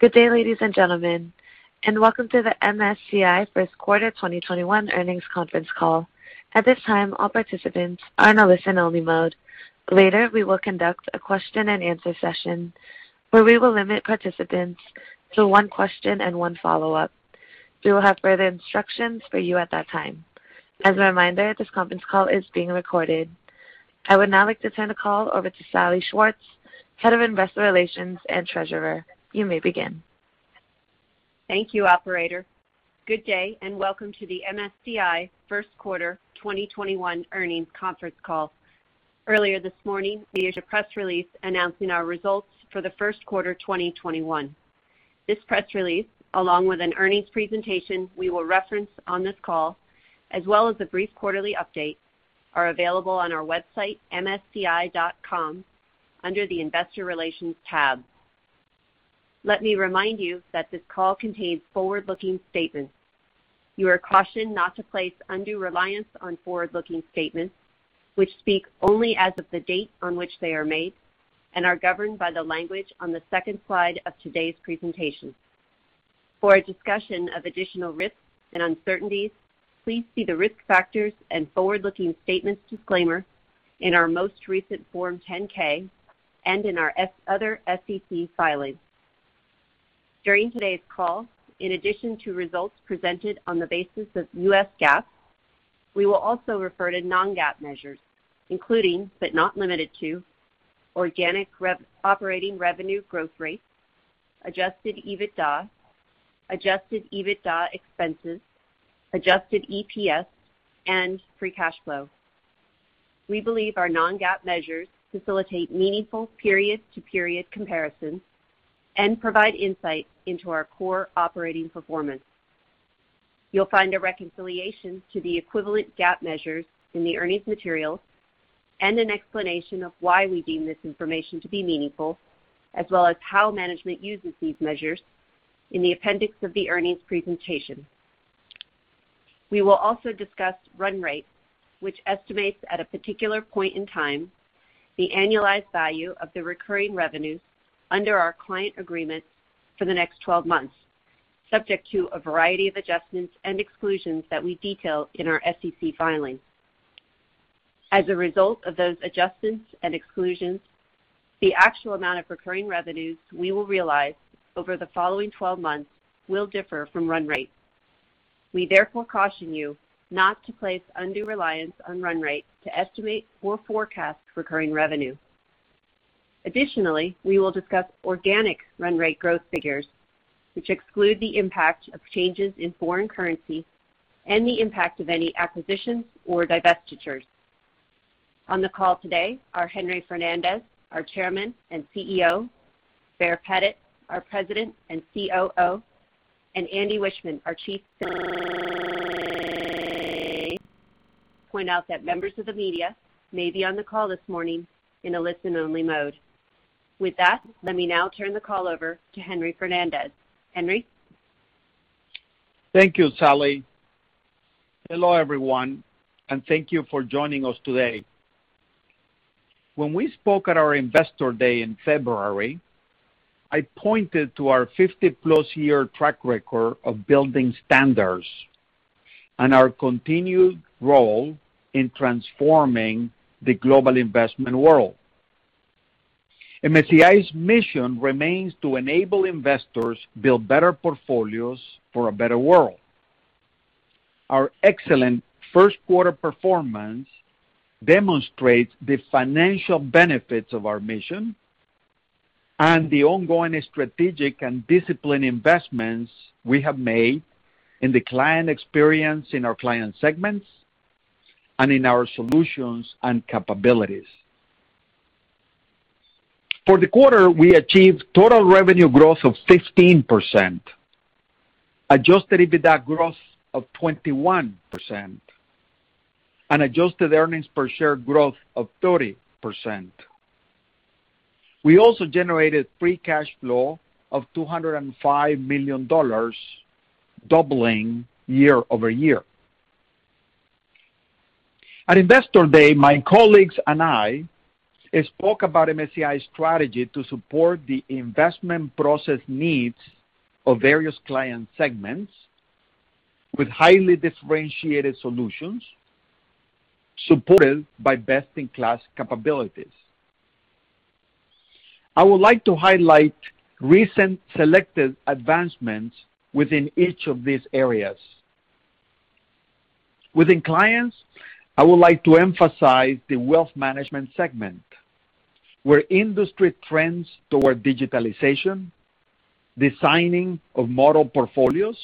Good day, ladies and gentlemen, and welcome to the MSCI First Quarter 2021 Earnings Conference Call. At this time, all participants are in a listen-only mode. Later, we will conduct a question-and-answer session, where we will limit participants to one question and one follow-up. We will have further instructions for you at that time. As a reminder, this conference call is being recorded. I would now like to turn the call over to Salli Schwartz, Head of Investor Relations and Treasurer. You may begin. Thank you, operator. Good day, welcome to the MSCI First Quarter 2021 Earnings Conference Call. Earlier this morning, we issued a press release announcing our results for the first quarter 2021. This press release, along with an earnings presentation we will reference on this call, as well as a brief quarterly update, are available on our website, msci.com, under the Investor Relations tab. Let me remind you that this call contains forward-looking statements. You are cautioned not to place undue reliance on forward-looking statements, which speak only as of the date on which they are made and are governed by the language on the second slide of today's presentation. For a discussion of additional risks and uncertainties, please see the Risk Factors and Forward-Looking Statements Disclaimer in our most recent Form 10-K and in our other SEC filings. During today's call, in addition to results presented on the basis of US GAAP, we will also refer to non-GAAP measures, including, but not limited to, organic operating revenue growth rates, adjusted EBITDA, adjusted EBITDA expenses, adjusted EPS, and free cash flow. We believe our non-GAAP measures facilitate meaningful period-to-period comparisons and provide insight into our core operating performance. You'll find a reconciliation to the equivalent GAAP measures in the earnings materials and an explanation of why we deem this information to be meaningful, as well as how management uses these measures in the appendix of the earnings presentation. We will also discuss run rate, which estimates at a particular point in time the annualized value of the recurring revenues under our client agreements for the next 12 months, subject to a variety of adjustments and exclusions that we detail in our SEC filings. As a result of those adjustments and exclusions, the actual amount of recurring revenues we will realize over the following 12 months will differ from run rate. We therefore caution you not to place undue reliance on run rate to estimate or forecast recurring revenue. Additionally, we will discuss organic run rate growth figures, which exclude the impact of changes in foreign currency and the impact of any acquisitions or divestitures. On the call today are Henry Fernandez, our Chairman and CEO, Baer Pettit, our President and COO, and Andy Wiechmann, our Chief point out that members of the media may be on the call this morning in a listen-only mode. With that, let me now turn the call over to Henry Fernandez. Henry? Thank you, Salli. Hello, everyone, and thank you for joining us today. When we spoke at our Investor Day in February, I pointed to our 50+ year track record of building standards and our continued role in transforming the global investment world. MSCI's mission remains to enable investors build better portfolios for a better world. Our excellent first quarter performance demonstrates the financial benefits of our mission and the ongoing strategic and disciplined investments we have made in the client experience in our client segments and in our solutions and capabilities. For the quarter, we achieved total revenue growth of 15%, adjusted EBITDA growth of 21%, and adjusted earnings per share growth of 30%. We also generated free cash flow of $205 million, doubling year-over-year. At Investor Day, my colleagues and I spoke about MSCI's strategy to support the investment process needs of various client segments with highly differentiated solutions supported by best-in-class capabilities. I would like to highlight recent selected advancements within each of these areas. Within clients, I would like to emphasize the wealth management segment, where industry trends toward digitalization, designing of model portfolios,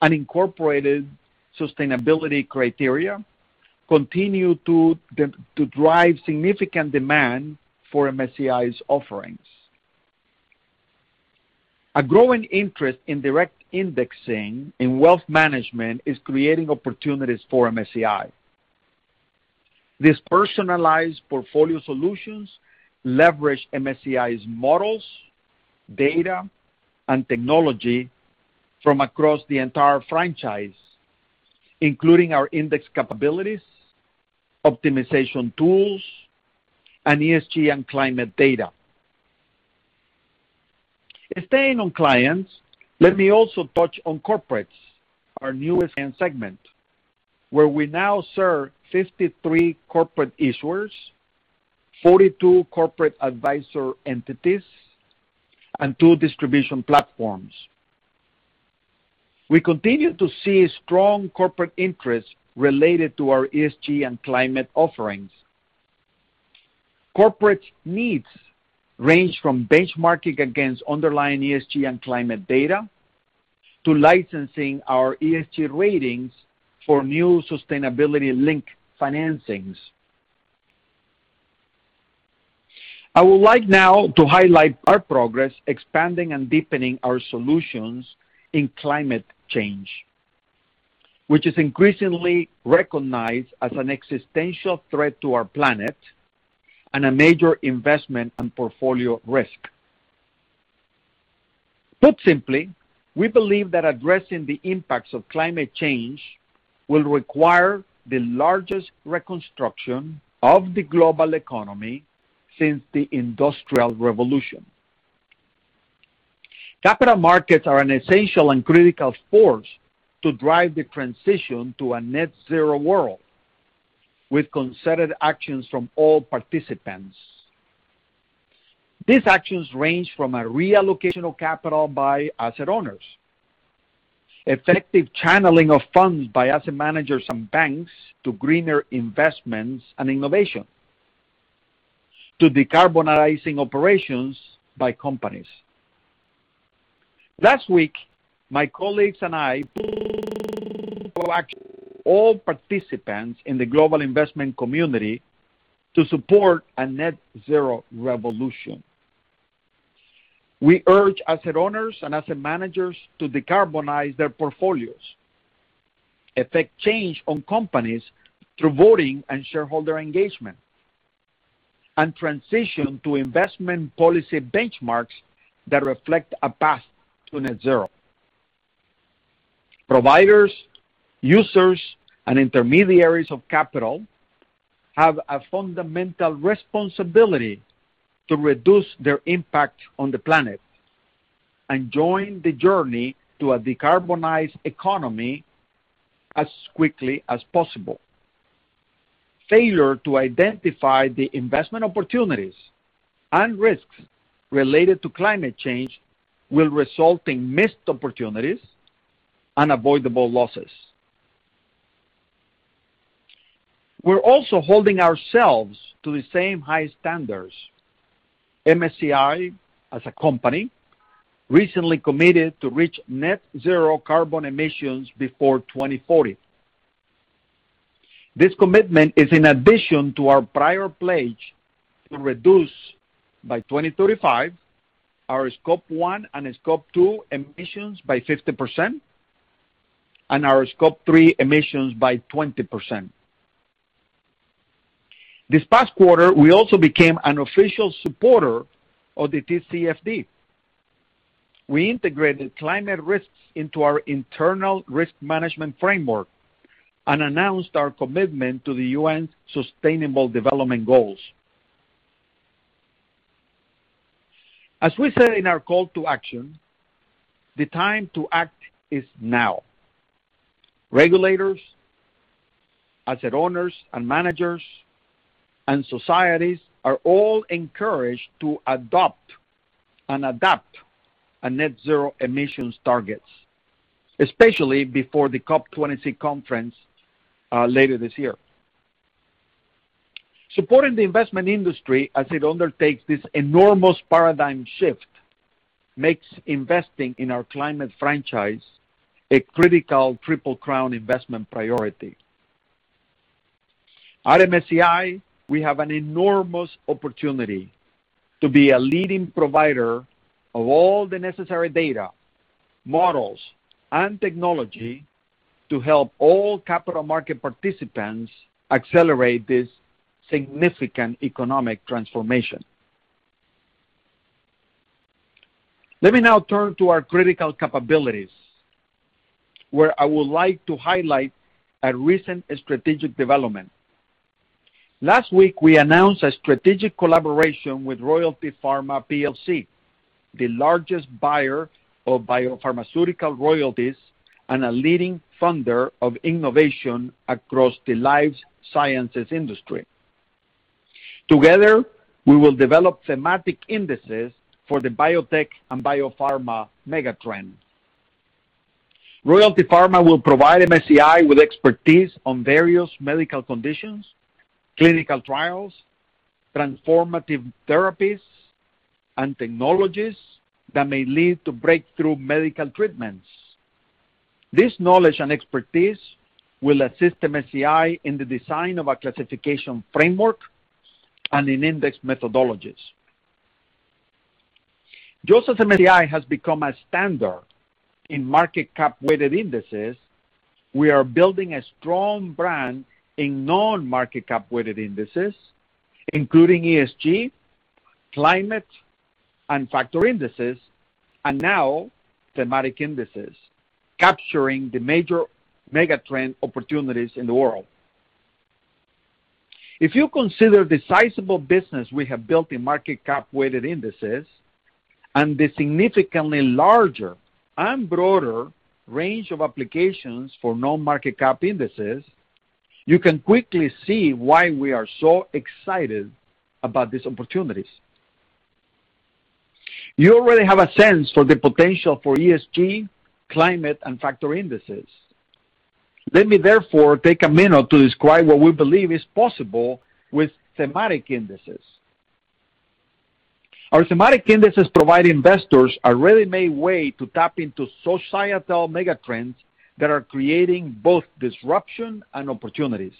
and incorporated sustainability criteria continue to drive significant demand for MSCI's offerings. A growing interest in direct indexing in wealth management is creating opportunities for MSCI. These personalized portfolio solutions leverage MSCI's models, data, and technology from across the entire franchise, including our index capabilities, optimization tools, and ESG and climate data. Staying on clients, let me also touch on corporates, our newest end segment, where we now serve 53 corporate issuers, 42 corporate advisor entities, and two distribution platforms. We continue to see strong corporate interest related to our ESG and climate offerings. Corporate needs range from benchmarking against underlying ESG and climate data to licensing our ESG ratings for new sustainability-linked financings. I would like now to highlight our progress expanding and deepening our solutions in climate change, which is increasingly recognized as an existential threat to our planet and a major investment and portfolio risk. Put simply, we believe that addressing the impacts of climate change will require the largest reconstruction of the global economy since the Industrial Revolution. Capital markets are an essential and critical force to drive the transition to a net zero world, with concerted actions from all participants. These actions range from a reallocation of capital by asset owners, effective channeling of funds by asset managers and banks to greener investments and innovation, to decarbonizing operations by companies. Last week, my colleagues and I, all participants in the global investment community to support a net zero revolution. We urge asset owners and asset managers to decarbonize their portfolios, effect change on companies through voting and shareholder engagement, and transition to investment policy benchmarks that reflect a path to net zero. Providers, users, and intermediaries of capital have a fundamental responsibility to reduce their impact on the planet and join the journey to a decarbonized economy as quickly as possible. Failure to identify the investment opportunities and risks related to climate change will result in missed opportunities and avoidable losses. We're also holding ourselves to the same high standards. MSCI, as a company, recently committed to reach net zero carbon emissions before 2040. This commitment is in addition to our prior pledge to reduce by 2035 our Scope 1 and Scope 2 emissions by 50%, and our Scope 3 emissions by 20%. This past quarter, we also became an official supporter of the TCFD. We integrated climate risks into our internal risk management framework and announced our commitment to the UN Sustainable Development Goals. As we said in our call to action, the time to act is now. Regulators, asset owners and managers, and societies are all encouraged to adopt and adapt a net zero emissions targets, especially before the COP26 conference, later this year. Supporting the investment industry as it undertakes this enormous paradigm shift makes investing in our climate franchise a critical Triple-Crown investment priority. At MSCI, we have an enormous opportunity to be a leading provider of all the necessary data, models, and technology to help all capital market participants accelerate this significant economic transformation. Let me now turn to our critical capabilities, where I would like to highlight a recent strategic development. Last week, we announced a strategic collaboration with Royalty Pharma plc, the largest buyer of biopharmaceutical royalties and a leading funder of innovation across the life sciences industry. Together, we will develop thematic indexes for the biotech and biopharma mega-trend. Royalty Pharma will provide MSCI with expertise on various medical conditions, clinical trials, transformative therapies, and technologies that may lead to breakthrough medical treatments. This knowledge and expertise will assist MSCI in the design of a classification framework and in index methodologies. Just as MSCI has become a standard in market cap-weighted indices, we are building a strong brand in non-market cap-weighted indices, including ESG, Climate and factor indexes, and now thematic indexes capturing the major megatrend opportunities in the world. If you consider the sizable business we have built in market cap-weighted indices and the significantly larger and broader range of applications for non-market cap indices, you can quickly see why we are so excited about these opportunities. You already have a sense for the potential for ESG, climate, and factor indexes. Let me therefore take a minute to describe what we believe is possible with thematic indexes. Our thematic indexes provide investors a ready-made way to tap into societal megatrends that are creating both disruption and opportunities.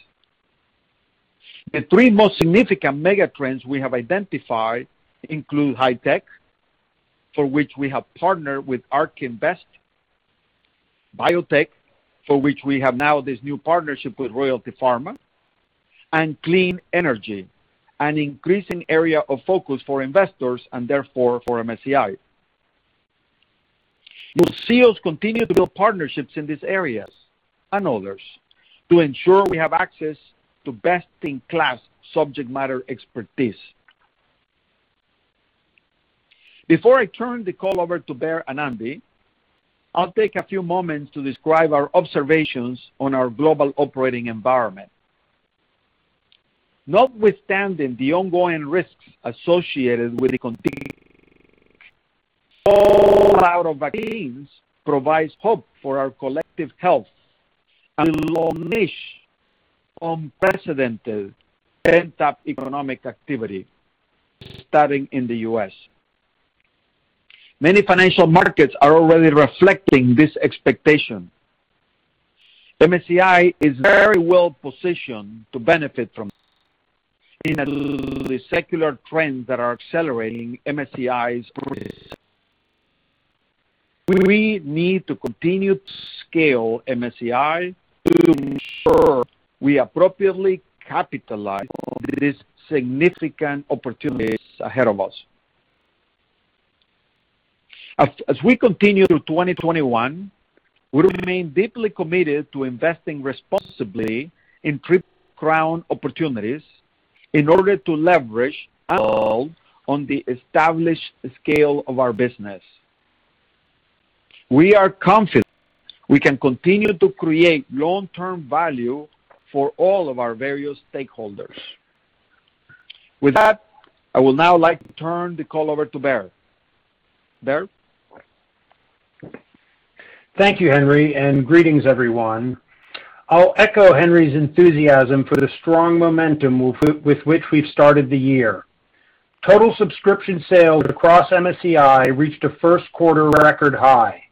The three most significant megatrends we have identified include high-tech, for which we have partnered with ARK Invest, biotech, for which we have now this new partnership with Royalty Pharma, and clean energy, an increasing area of focus for investors and therefore for MSCI. We will continue to build partnerships in these areas and others to ensure we have access to best-in-class subject matter expertise. Before I turn the call over to Baer and Andy, I will take a few moments to describe our observations on our global operating environment. Notwithstanding the ongoing risks associated with the rollout of vaccines provides hope for our collective health and [longish] unprecedented pent-up economic activity, starting in the U.S. Many financial markets are already reflecting this expectation. MSCI is very well positioned to benefit from the secular trends that are accelerating. We need to continue to scale MSCI to ensure we appropriately capitalize on these significant opportunities ahead of us. As we continue through 2021, we remain deeply committed to investing responsibly in Triple-Crown opportunities in order to leverage on the established scale of our business. We are confident we can continue to create long-term value for all of our various stakeholders. With that, I would now like to turn the call over to Baer. Baer? Thank you, Henry, and greetings everyone. I'll echo Henry's enthusiasm for the strong momentum with which we've started the year. Total subscription sales across MSCI reached a first quarter record high.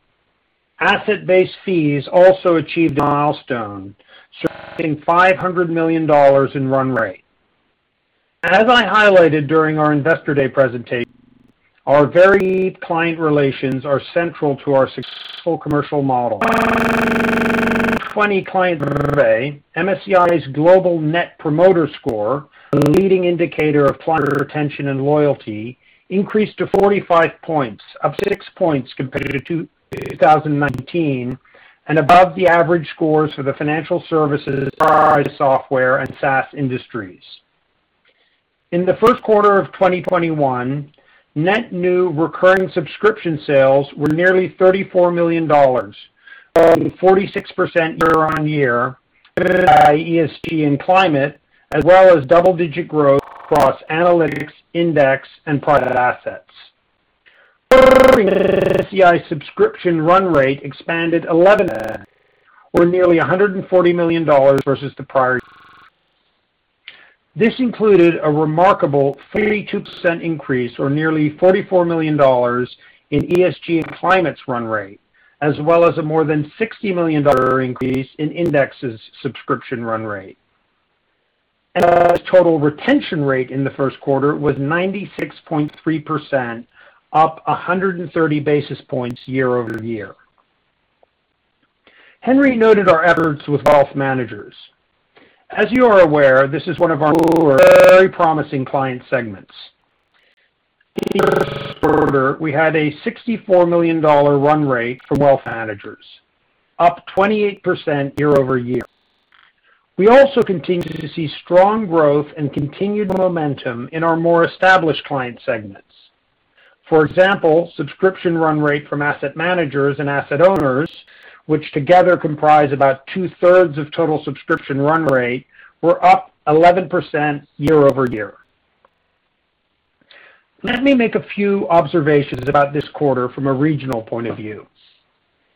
Asset-based fees also achieved a milestone, surpassing $500 million in run rate. As I highlighted during our Investor Day presentation, our very deep client relations are central to our successful commercial model. 20 client MSCI's global Net Promoter Score, the leading indicator of client retention and loyalty, increased to 45 points, up 6 points compared to 2019, and above the average scores for the financial services, enterprise software, and SaaS industries. In the first quarter of 2021, net new recurring subscription sales were nearly $34 million, growing 46% year-on-year by ESG and climate, as well as double-digit growth across Analytics, Index, and Private Assets. MSCI subscription run rate expanded 11%, or nearly $140 million versus the prior. This included a remarkable 32% increase or nearly $44 million in ESG and climate's run rate, as well as a more than $60 million increase in index's subscription run rate. Total retention rate in the first quarter was 96.3%, up 130 basis points year-over-year. Henry noted our efforts with wealth managers. As you are aware, this is one of our very promising client segments. We had a $64 million run rate from wealth managers, up 28% year-over-year. We also continue to see strong growth and continued momentum in our more established client segments. For example, subscription run rate from asset managers and asset owners, which together comprise about two-thirds of total subscription run rate, were up 11% year-over-year. Let me make a few observations about this quarter from a regional point of view.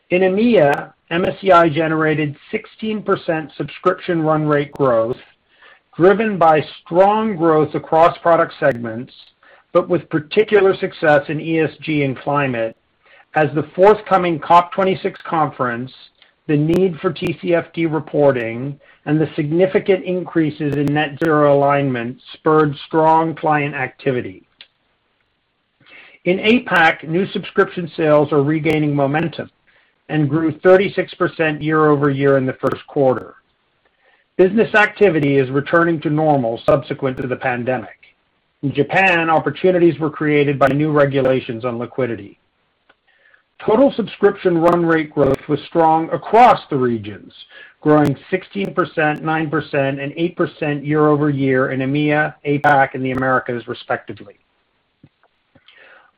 In EMEA, MSCI generated 16% subscription run rate growth driven by strong growth across product segments, but with particular success in ESG and climate as the forthcoming COP26 conference, the need for TCFD reporting, and the significant increases in net zero alignment spurred strong client activity. In APAC, new subscription sales are regaining momentum and grew 36% year-over-year in the first quarter. Business activity is returning to normal subsequent to the pandemic. In Japan, opportunities were created by new regulations on liquidity. Total subscription run rate growth was strong across the regions, growing 16%, 9%, and 8% year-over-year in EMEA, APAC, and the Americas, respectively.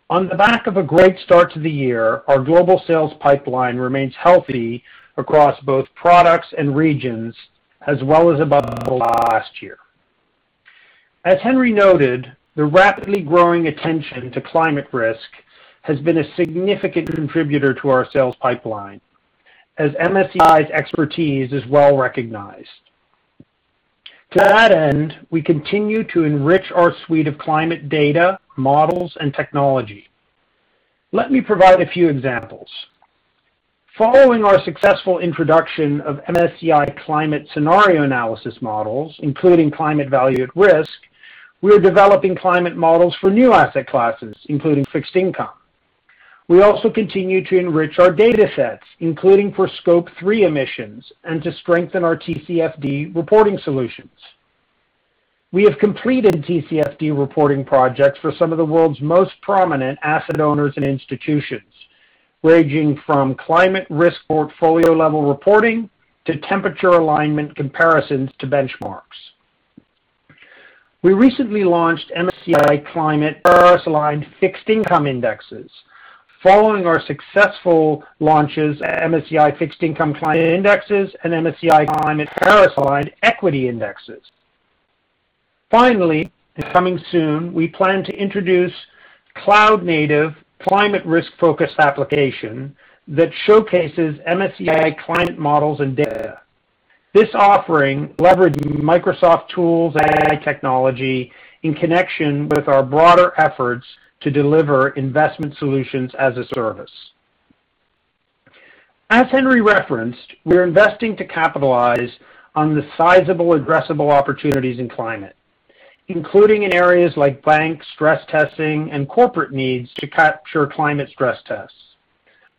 On the back of a great start to the year, our global sales pipeline remains healthy across both products and regions, as well as above the last year. As Henry noted, the rapidly growing attention to climate risk has been a significant contributor to our sales pipeline, as MSCI's expertise is well recognized. To that end, we continue to enrich our suite of climate data, models, and technology. Let me provide a few examples. Following our successful introduction of MSCI climate scenario analysis models, including Climate Value-at-Risk, we are developing climate models for new asset classes, including fixed income. We also continue to enrich our data sets, including for Scope 3 emissions, and to strengthen our TCFD reporting solutions. We have completed TCFD reporting projects for some of the world's most prominent asset owners and institutions, ranging from climate risk portfolio-level reporting to temperature alignment comparisons to benchmarks. We recently launched MSCI Fixed Income Climate Paris Aligned Indexes, following our successful launches at MSCI Fixed Income Climate Indexes and MSCI Climate Paris Aligned Indexes. Finally, coming soon, we plan to introduce cloud-native climate risk-focused application that showcases MSCI climate models and data. This offering leverages Microsoft tools and AI technology in connection with our broader efforts to deliver Investment Solutions as a Service. As Henry referenced, we're investing to capitalize on the sizable addressable opportunities in climate, including in areas like bank stress testing and corporate needs to capture climate stress tests.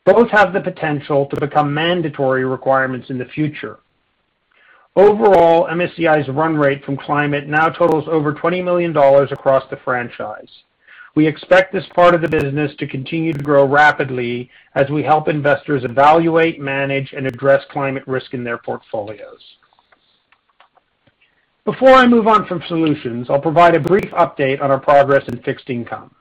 Both have the potential to become mandatory requirements in the future. Overall, MSCI's run rate from climate now totals over $20 million across the franchise. We expect this part of the business to continue to grow rapidly as we help investors evaluate, manage, and address climate risk in their portfolios. Before I move on from solutions, I'll provide a brief update on our progress in fixed income.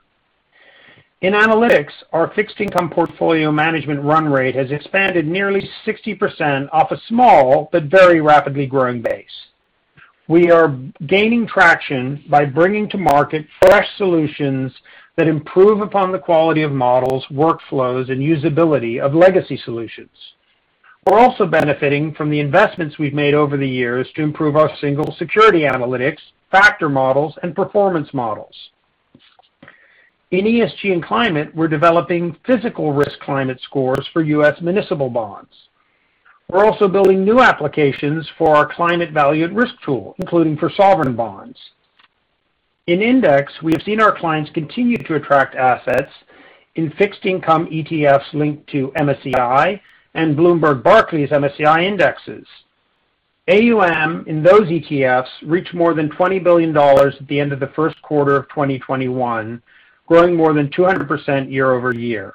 In analytics, our fixed income portfolio management run rate has expanded nearly 60% off a small but very rapidly growing base. We are gaining traction by bringing to market fresh solutions that improve upon the quality of models, workflows, and usability of legacy solutions. We're also benefiting from the investments we've made over the years to improve our single security analytics, factor models, and performance models. In ESG and climate, we're developing physical risk climate scores for US municipal bonds. We're also building new applications for our Climate Value-at-Risk tool, including for sovereign bonds. In Index, we have seen our clients continue to attract assets in fixed income ETFs linked to MSCI and Bloomberg Barclays MSCI indexes. AUM in those ETFs reached more than $20 billion at the end of the first quarter of 2021, growing more than 200% year-over-year.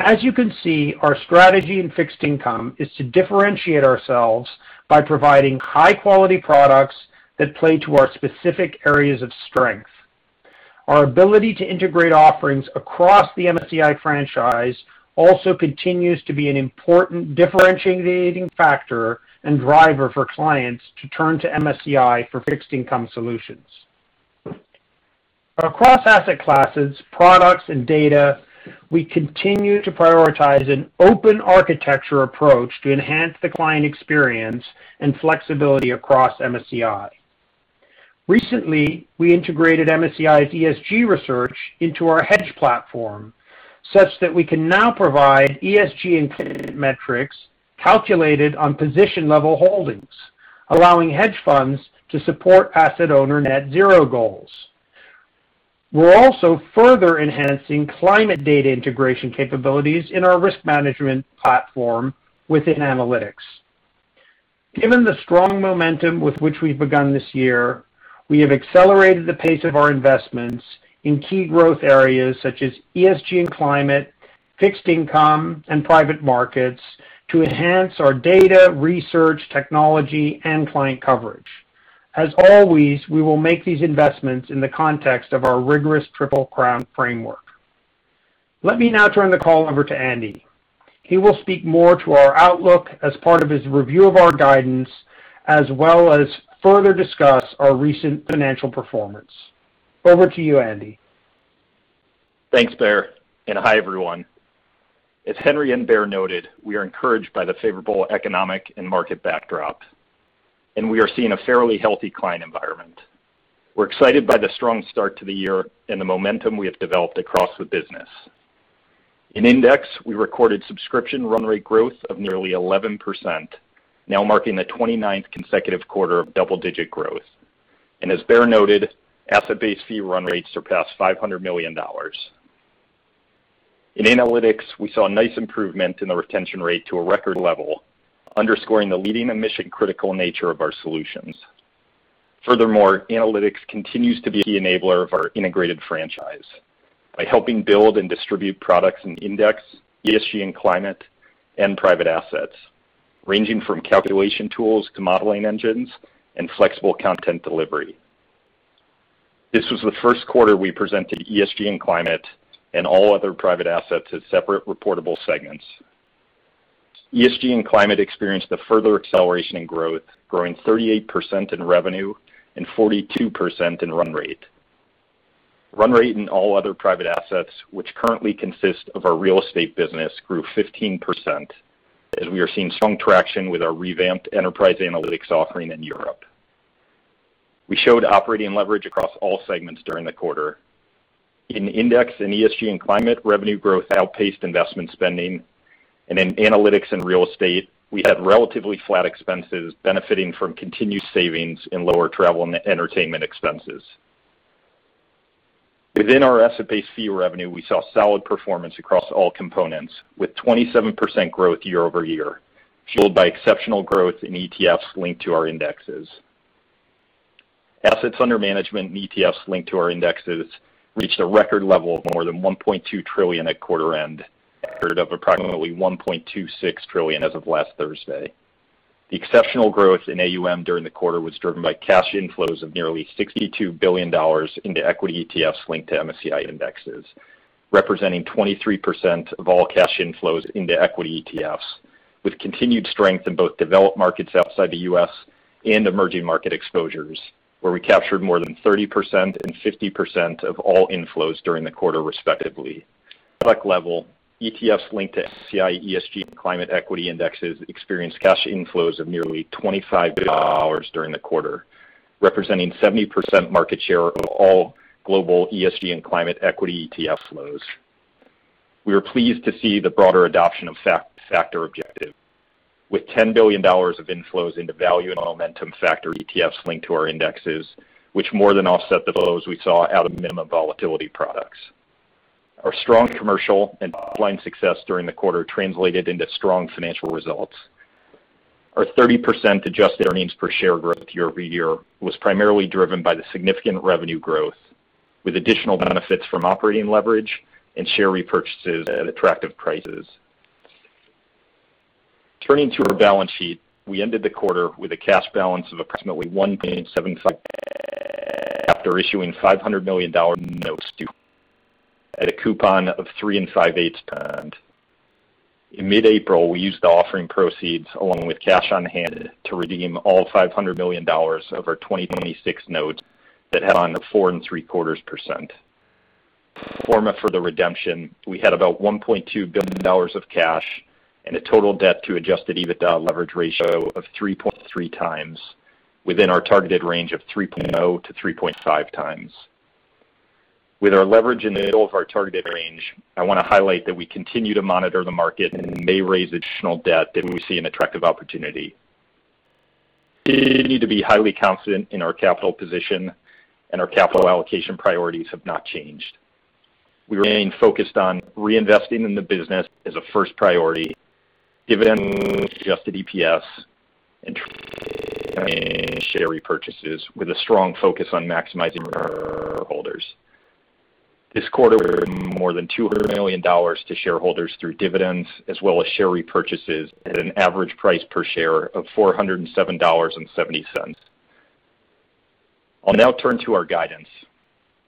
As you can see, our strategy in fixed income is to differentiate ourselves by providing high-quality products that play to our specific areas of strength. Our ability to integrate offerings across the MSCI franchise also continues to be an important differentiating factor and driver for clients to turn to MSCI for fixed income solutions. Across asset classes, products, and data, we continue to prioritize an open architecture approach to enhance the client experience and flexibility across MSCI. Recently, we integrated MSCI's ESG research into our HedgePlatform, such that we can now provide ESG, and climate metrics calculated on position-level holdings, allowing hedge funds to support asset owner net zero goals. We're also further enhancing climate data integration capabilities in our risk management platform within analytics. Given the strong momentum with which we've begun this year, we have accelerated the pace of our investments in key growth areas such as ESG and climate, fixed income, and private markets to enhance our data, research, technology, and client coverage. As always, we will make these investments in the context of our rigorous Triple-Crown Framework. Let me now turn the call over to Andy. He will speak more to our outlook as part of his review of our guidance, as well as further discuss our recent financial performance. Over to you, Andy. Thanks, Baer, and hi, everyone. As Henry and Baer noted, we are encouraged by the favorable economic and market backdrop, and we are seeing a fairly healthy client environment. We're excited by the strong start to the year and the momentum we have developed across the business. In Index, we recorded subscription run rate growth of nearly 11%, now marking the 29th consecutive quarter of double-digit growth. As Baer noted, asset based-fee run rates surpassed $500 million. In Analytics, we saw a nice improvement in the retention rate to a record level, underscoring the leading and mission-critical nature of our solutions. Furthermore, Analytics continues to be a key enabler of our integrated franchise by helping build and distribute products in Index, ESG and climate, and Private Assets, ranging from calculation tools to modeling engines and flexible content delivery. This was the first quarter we presented ESG and climate and All Other Private Assets as separate reportable segments. ESG and climate experienced a further acceleration in growth, growing 38% in revenue and 42% in run rate. Run rate in All Other Private Assets, which currently consists of our real estate business, grew 15%, as we are seeing strong traction with our revamped enterprise analytics offering in Europe. We showed operating leverage across all segments during the quarter. In Index and ESG and climate, revenue growth outpaced investment spending, and in Analytics and Real Estate, we had relatively flat expenses benefiting from continued savings in lower travel and entertainment expenses. Within our asset-based fee revenue, we saw solid performance across all components, with 27% growth year-over-year, fueled by exceptional growth in ETFs linked to our indexes. Assets under management in ETFs linked to our indexes reached a record level of more than $1.2 trillion at quarter end, a record of approximately $1.26 trillion as of last Thursday. The exceptional growth in AUM during the quarter was driven by cash inflows of nearly $62 billion into equity ETFs linked to MSCI indexes, representing 23% of all cash inflows into equity ETFs, with continued strength in both developed markets outside the U.S. and emerging market exposures, where we captured more than 30% and 50% of all inflows during the quarter, respectively. At the product level, ETFs linked to MSCI ESG and climate Equity Indexes experienced cash inflows of nearly $25 billion during the quarter, representing 70% market share of all global ESG and climate equity ETF flows. We are pleased to see the broader adoption of factor objective, with $10 billion of inflows into value and momentum factor ETFs linked to our indexes, which more than offset the flows we saw out of Minimum Volatility products. Our strong commercial and success during the quarter translated into strong financial results. Our 30% adjusted earnings per share growth year-over-year was primarily driven by the significant revenue growth, with additional benefits from operating leverage and share repurchases at attractive prices. Turning to our balance sheet, we ended the quarter with a cash balance of approximately $1.75 billion after issuing $500 million in notes due at a coupon of 3.625%. In mid-April, we used the offering proceeds along with cash on hand to redeem all $500 million of our 2026 notes that had on 4.75%. Pro forma for the redemption, we had about $1.2 billion of cash and a total debt to adjusted EBITDA leverage ratio of 3.3x within our targeted range of 3.0x-3.5x. With our leverage in the middle of our targeted range, I want to highlight that we continue to monitor the market and may raise additional debt if we see an attractive opportunity. We continue to be highly confident in our capital position, and our capital allocation priorities have not changed. We remain focused on reinvesting in the business as a first priority, dividends, adjusted EPS, and share repurchases with a strong focus on maximizing shareholders. This quarter, we returned more than $200 million to shareholders through dividends as well as share repurchases at an average price per share of $407.70. I'll now turn to our guidance.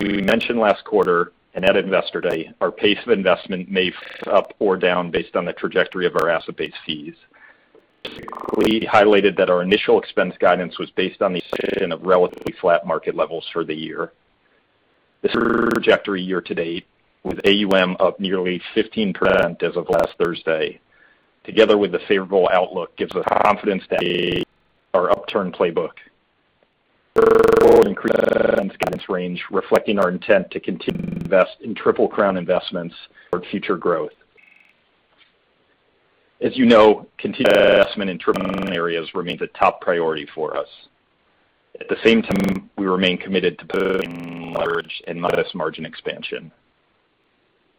We mentioned last quarter and at Investor Day our pace of investment may up or down based on the trajectory of our asset-based fees. We highlighted that our initial expense guidance was based on the assumption of relatively flat market levels for the year. This trajectory year-to-date, with AUM up nearly 15% as of last Thursday, together with the favorable outlook, gives us confidence to raise our upturn playbook. We're increasing our expense guidance range, reflecting our intent to continue to invest in Triple-Crown investments for future growth. As you know, continued investment in Triple-Crown areas remains a top priority for us. At the same time, we remain committed to building leverage and modest margin expansion.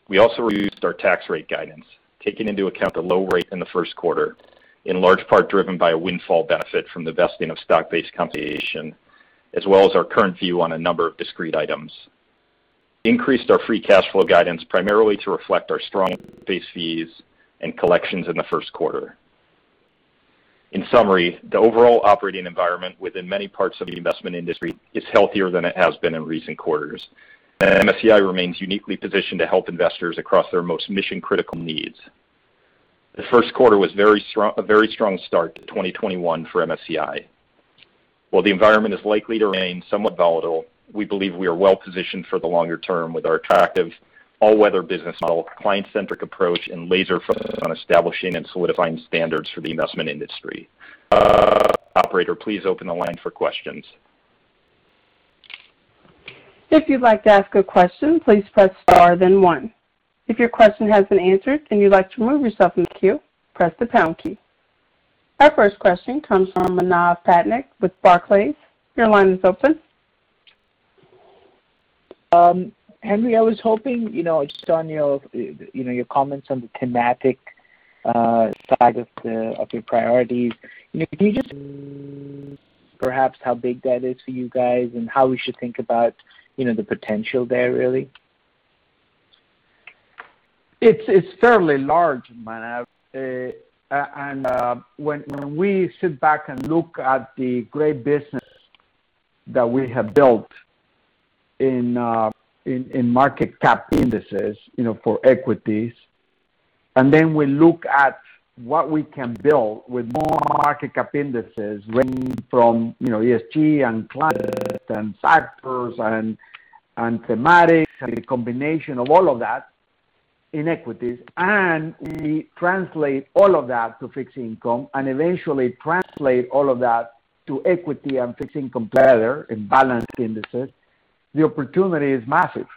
We also reduced our tax rate guidance, taking into account the low rate in the first quarter, in large part driven by a windfall benefit from the vesting of stock-based compensation, as well as our current view on a number of discrete items. We increased our free cash flow guidance primarily to reflect our strong base fees and collections in the first quarter. In summary, the overall operating environment within many parts of the investment industry is healthier than it has been in recent quarters, and MSCI remains uniquely positioned to help investors across their most mission-critical needs. The first quarter was a very strong start to 2021 for MSCI. While the environment is likely to remain somewhat volatile, we believe we are well positioned for the longer term with our attractive all-weather business model, client-centric approach, and laser focus on establishing and solidifying standards for the investment industry. Operator, please open the line for questions. If you'd like to ask a question, please press star then one. If your question has an answer and you'd like to remove yourself from the queue, press the pound key. Our first question comes from Manav Patnaik with Barclays. Your line is open Henry, I was hoping, just on your comments on the thematic side of your priorities. Can you just perhaps how big that is for you guys and how we should think about the potential there, really? It's fairly large, Manav. When we sit back and look at the great business that we have built in market cap indices for equities, then we look at what we can build with more market cap indices ranging from ESG and climate and factors and thematics and the combination of all of that in equities, we translate all of that to fixed income and eventually translate all of that to equity and fixed income together in balanced indices, the opportunity is massive.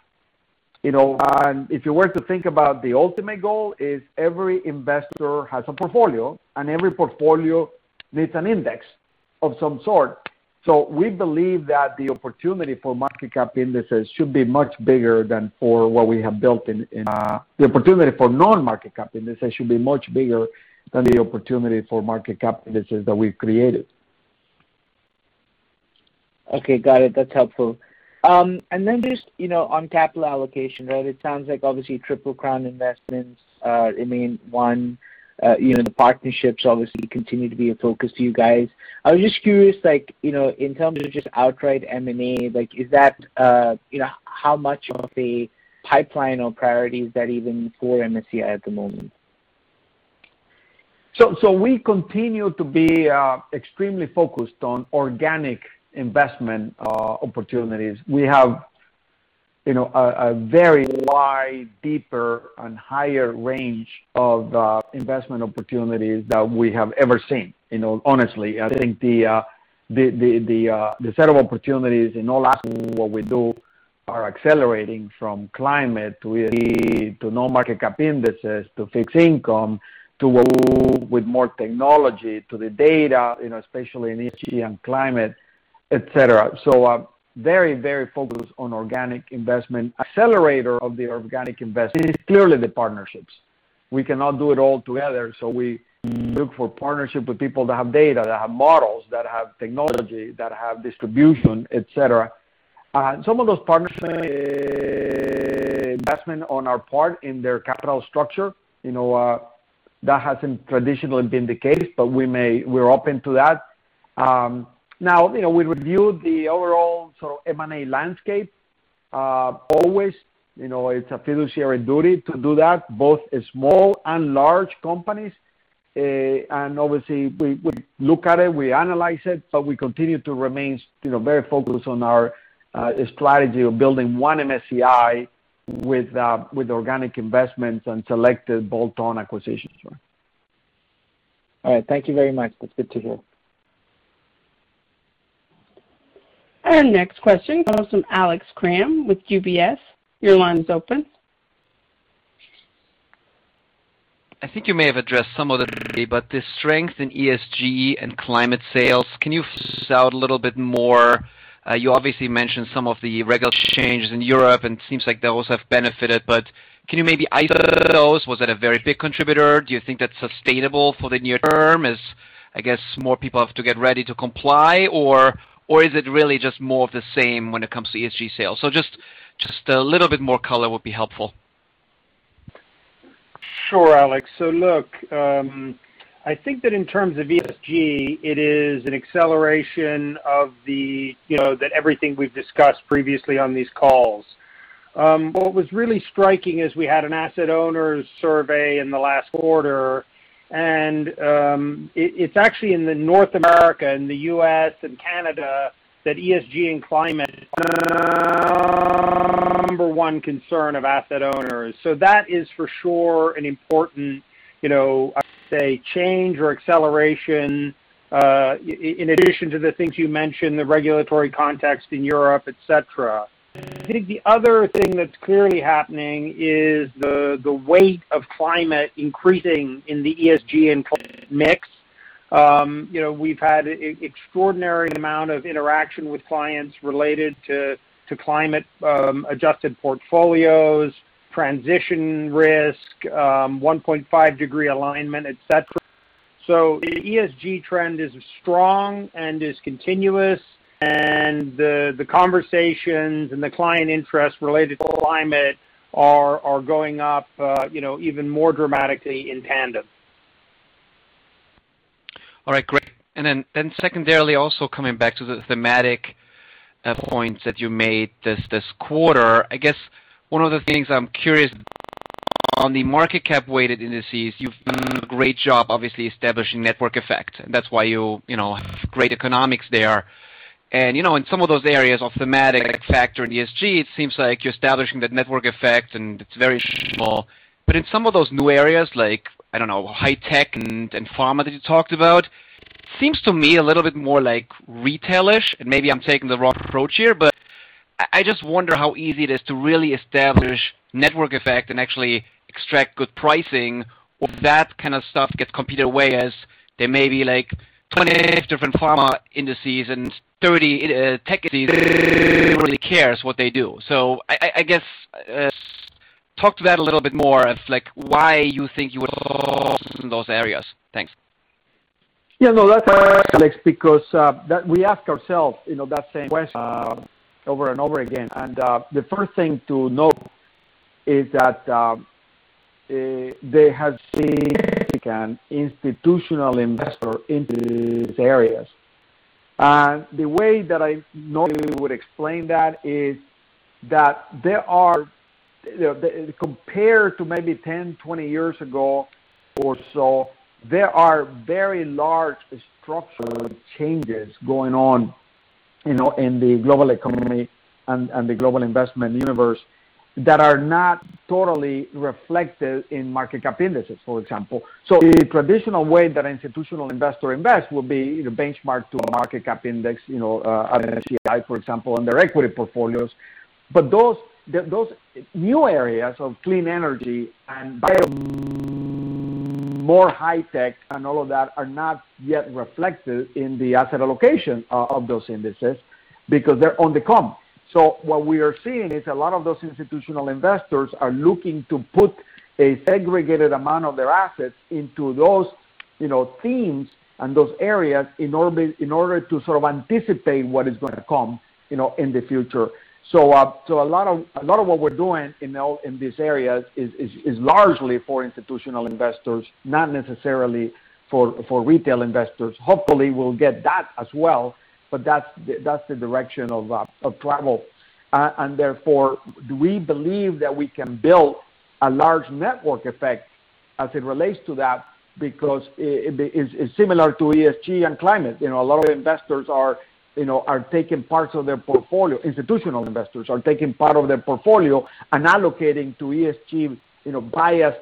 If you were to think about the ultimate goal is every investor has a portfolio, every portfolio needs an index of some sort. We believe that the opportunity for non-market cap indices should be much bigger than the opportunity for market cap indices that we've created. Okay, got it. That's helpful. Just on capital allocation, right? It sounds like obviously Triple-Crown Investments remain one. The partnerships obviously continue to be a focus to you guys. I was just curious, in terms of just outright M&A, how much of a pipeline or priority is that even for MSCI at the moment? We continue to be extremely focused on organic investment opportunities. We have a very wide, deeper, and higher range of investment opportunities than we have ever seen, honestly. I think the set of opportunities in all aspects of what we do are accelerating from climate to ESG to non-market cap-weighted indices to fixed income to with more technology to the data, especially in ESG and climate, et cetera. Very, very focused on organic investment. Accelerator of the organic investment is clearly the partnerships. We cannot do it all together, we look for partnerships with people that have data, that have models, that have technology, that have distribution, et cetera. Some of those partnerships investment on our part in their capital structure. That hasn't traditionally been the case, we're open to that. We review the overall sort of M&A landscape always. It's a fiduciary duty to do that, both small and large companies. Obviously, we look at it, we analyze it, but we continue to remain very focused on our strategy of building one MSCI with organic investments and selected bolt-on acquisitions. All right. Thank you very much. That's good to hear. Our next question comes from Alex Kramm with UBS. Your line is open. I think you may have addressed some of it already, the strength in ESG and climate sales, can you flesh out a little bit more? You obviously mentioned some of the regulatory changes in Europe, it seems like those have benefited, can you maybe isolate those? Was that a very big contributor? Do you think that's sustainable for the near term as, I guess, more people have to get ready to comply, is it really just more of the same when it comes to ESG sales? Just a little bit more color would be helpful. Sure, Alex. Look, I think that in terms of ESG, it is an acceleration of everything we've discussed previously on these calls. What was really striking is we had an asset owners survey in the last quarter, and it is actually in North America and the U.S. and Canada that ESG and climate is the number one concern of asset owners. That is for sure an important, I would say, change or acceleration, in addition to the things you mentioned, the regulatory context in Europe, et cetera. I think the other thing that's clearly happening is the weight of climate increasing in the ESG and climate mix. We've had extraordinary amount of interaction with clients related to climate-adjusted portfolios, transition risk, 1.5 degree alignment, et cetera. The ESG trend is strong and is continuous, and the conversations and the client interest related to climate are going up even more dramatically in tandem. All right, great. Secondarily, also coming back to the thematic points that you made this quarter, I guess one of the things I'm curious about on the market cap weighted indices, you've done a great job, obviously, establishing network effect, and that's why you have great economics there. In some of those areas of thematic factor and ESG, it seems like you're establishing that network effect, and it's very small. In some of those new areas like, I don't know, high tech and pharma that you talked about, it seems to me a little bit more like retail-ish, and maybe I'm taking the wrong approach here, but I just wonder how easy it is to really establish network effect and actually extract good pricing or that kind of stuff gets competed away as there may be 20 different pharma indices and 30 tech indices. Nobody really cares what they do. I guess talk to that a little bit more of why you think you would in those areas. Thanks. Yeah, no, that's a great question, Alex, because we asked ourselves that same question over and over again. The first thing to note is that there has been institutional investment into these areas. The way that I normally would explain that is that compared to maybe 10, 20 years ago or so, there are very large structural changes going on in the global economy and the global investment universe that are not totally reflected in market cap indexes, for example. The traditional way that institutional investors invest will be either benchmark to a market cap index, an MSCI, for example, and their equity portfolios. Those new areas of clean energy and bio, more high tech and all of that are not yet reflected in the asset allocation of those indexes because they're on the come. What we are seeing is a lot of those institutional investors are looking to put a segregated amount of their assets into those themes and those areas in order to sort of anticipate what is going to come in the future. A lot of what we're doing in these areas is largely for institutional investors, not necessarily for retail investors. Hopefully, we'll get that as well, but that's the direction of travel. Therefore, do we believe that we can build a large network effect as it relates to that because it's similar to ESG and climate. A lot of institutional investors are taking part of their portfolio and allocating to ESG-biased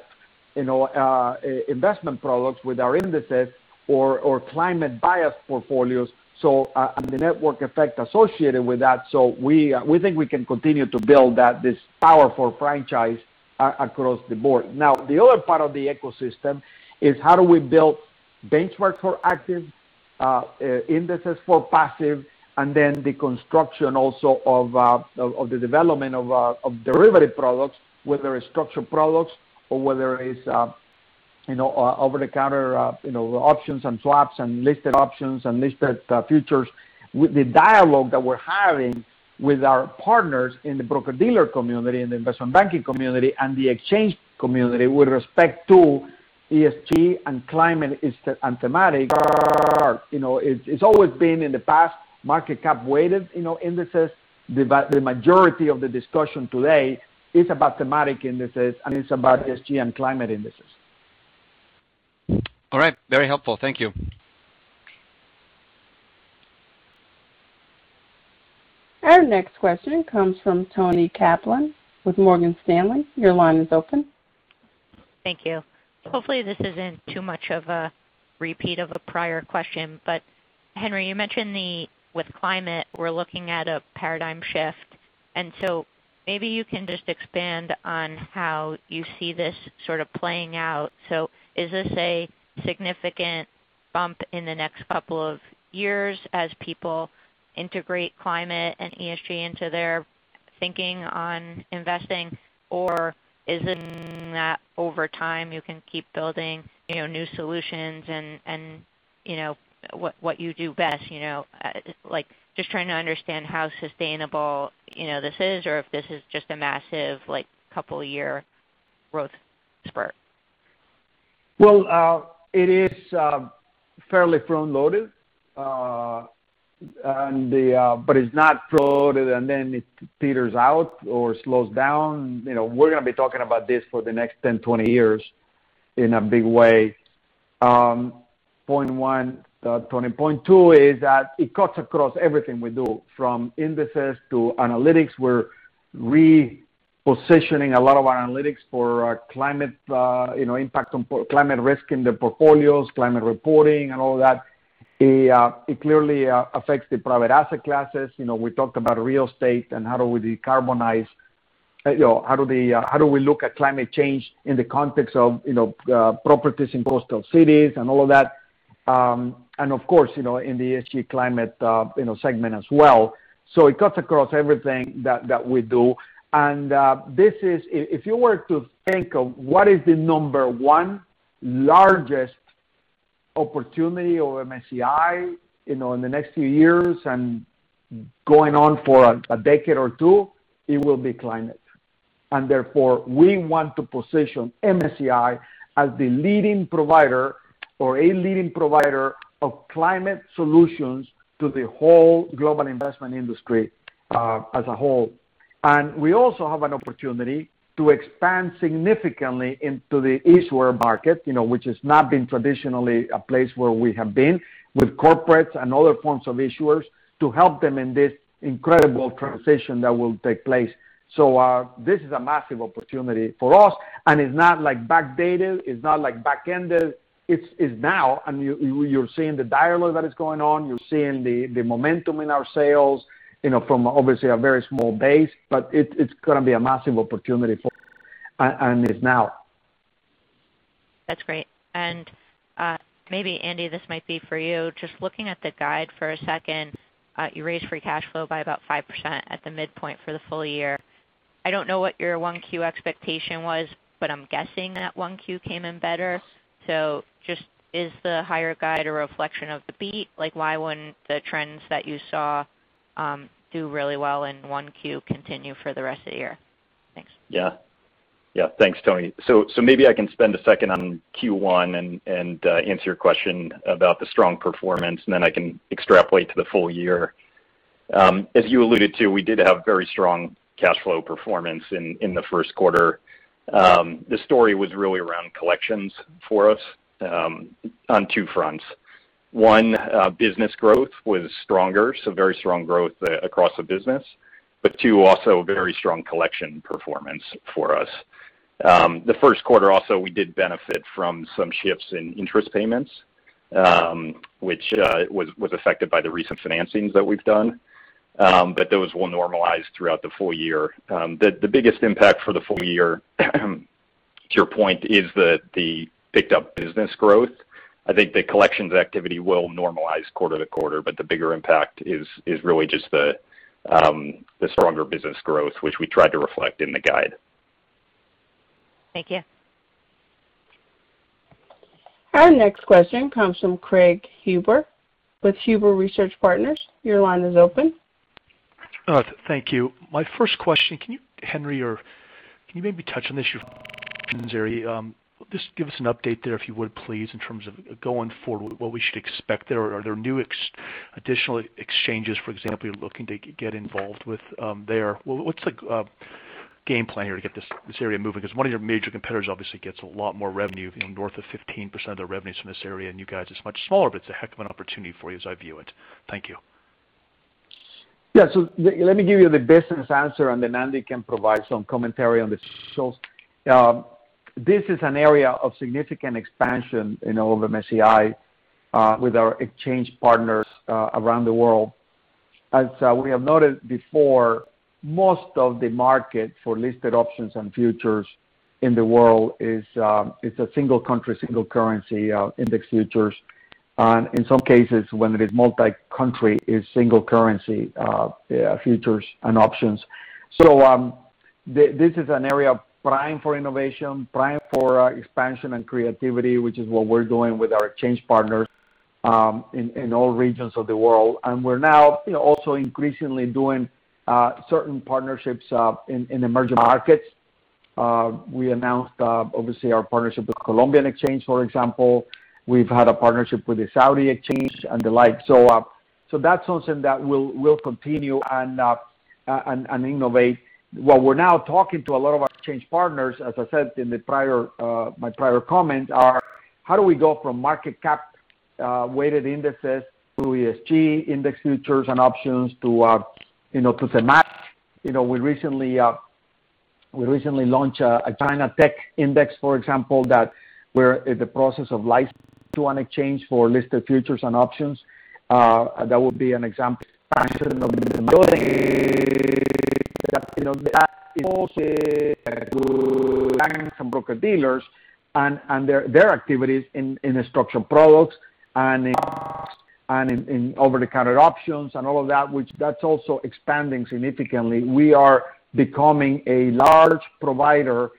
investment products with our indices or climate-biased portfolios, and the network effect associated with that. We think we can continue to build this powerful franchise across the board. Now, the other part of the ecosystem is how do we build benchmarks for active indices for passive, and then the construction also of the development of derivative products, whether it's structured products or whether it is over-the-counter options and swaps and listed options and listed futures. With the dialogue that we're having with our partners in the broker-dealer community and the investment banking community and the exchange community with respect to ESG and climate and thematic it's always been in the past market cap weighted indices. The majority of the discussion today is about thematic indexes, and it's about ESG and climate indices. All right. Very helpful. Thank you. Our next question comes from Toni Kaplan with Morgan Stanley. Your line is open. Thank you. Hopefully, this isn't too much of a repeat of a prior question. Henry, you mentioned with climate, we're looking at a paradigm shift. Maybe you can just expand on how you see this sort of playing out. Is this a significant bump in the next couple of years as people integrate climate and ESG into their thinking on investing? Is it that over time you can keep building new solutions and what you do best? Just trying to understand how sustainable this is or if this is just a massive couple year growth spurt. Well, it is fairly front-loaded but is not front-loaded and then it peters out or slows down. We're going to be talking about this for the next 10, 20 years in a big way. Point one, Toni. Point two is that it cuts across everything we do, from indices to analytics. We're repositioning a lot of our analytics for climate impact on climate risk in the portfolios, climate reporting and all that. It clearly affects the private asset classes. We talked about real estate and how do we decarbonize? How do we look at climate change in the context of properties in coastal cities and all of that. Of course, in the ESG climate segment as well. It cuts across everything that we do. If you were to think of what is the number one largest opportunity of MSCI in the next few years and going on for a decade or two, it will be climate. Therefore, we want to position MSCI as the leading provider or a leading provider of climate solutions to the whole global investment industry as a whole. We also have an opportunity to expand significantly into the issuer market, which has not been traditionally a place where we have been with corporates and other forms of issuers to help them in this incredible transition that will take place. This is a massive opportunity for us, and it's not backdated, it's not back-ended. It's now, and you're seeing the dialogue that is going on. You're seeing the momentum in our sales, from obviously a very small base, but it's going to be a massive opportunity for. That's great. Maybe Andy, this might be for you, just looking at the guide for a second, you raised free cash flow by about 5% at the midpoint for the full year. I don't know what your 1Q expectation was, but I'm guessing that 1Q came in better. Just is the higher guide a reflection of the beat? Like why wouldn't the trends that you saw do really well in 1Q continue for the rest of the year? Thanks. Yeah. Thanks, Toni. Maybe I can spend a second on Q1 and answer your question about the strong performance, then I can extrapolate to the full year. As you alluded to, we did have very strong cash flow performance in the first quarter. The story was really around collections for us, on two fronts. One, business growth was stronger, very strong growth across the business. Two, also very strong collection performance for us. The first quarter also, we did benefit from some shifts in interest payments, which was affected by the recent financings that we've done, those will normalize throughout the full year. The biggest impact for the full year, to your point, is the picked-up business growth. I think the collections activity will normalize quarter-to-quarter. The bigger impact is really just the stronger business growth, which we tried to reflect in the guide. Thank you. Our next question comes from Craig Huber with Huber Research Partners. Your line is open. Thank you. My first question, can you, Henry, maybe touch on this, your options area. Just give us an update there, if you would please, in terms of going forward, what we should expect there. Are there new additional exchanges, for example, you're looking to get involved with there? What's the game plan here to get this area moving? Because one of your major competitors obviously gets a lot more revenue, north of 15% of the revenues from this area, and you guys, it's much smaller, but it's a heck of an opportunity for you as I view it. Thank you. Yeah. Let me give you the business answer, and then Andy can provide some commentary on the shows. This is an area of significant expansion in all of MSCI, with our exchange partners around the world. As we have noted before, most of the market for listed options and futures in the world is a single country, single currency, index futures. In some cases, when it is multi-country, it's single currency, futures and options. This is an area prime for innovation, prime for expansion and creativity, which is what we're doing with our exchange partners, in all regions of the world. We're now also increasingly doing certain partnerships in emerging markets. We announced, obviously our partnership with Colombian Exchange, for example. We've had a partnership with the Saudi Exchange and the like. That's something that we'll continue and innovate. What we're now talking to a lot of our exchange partners, as I said in my prior comment, are how do we go from market cap-weighted indices through ESG index futures and options to thematic? We recently launched a China tech index, for example, that we're in the process of licensing to an exchange for listed futures and options. That would be an example of expansion of the model that moves to banks and broker-dealers and their activities in structured products and in over-the-counter options and all of that, which that's also expanding significantly. We are becoming a large provider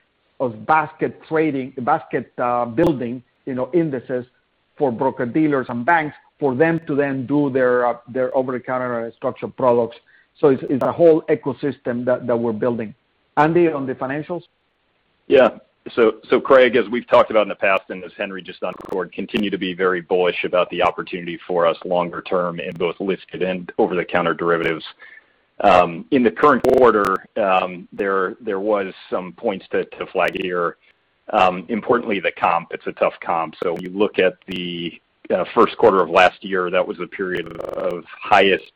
of basket building indices for broker-dealers and banks for them to then do their over-the-counter structured products. It's a whole ecosystem that we're building. Andy, on the financials? Craig, as we've talked about in the past and as Henry just underscored, continue to be very bullish about the opportunity for us longer term in both listed and over-the-counter derivatives. In the current quarter, there was some points to flag here. Importantly, the comp, it's a tough comp. When you look at the first quarter of last year, that was a period of highest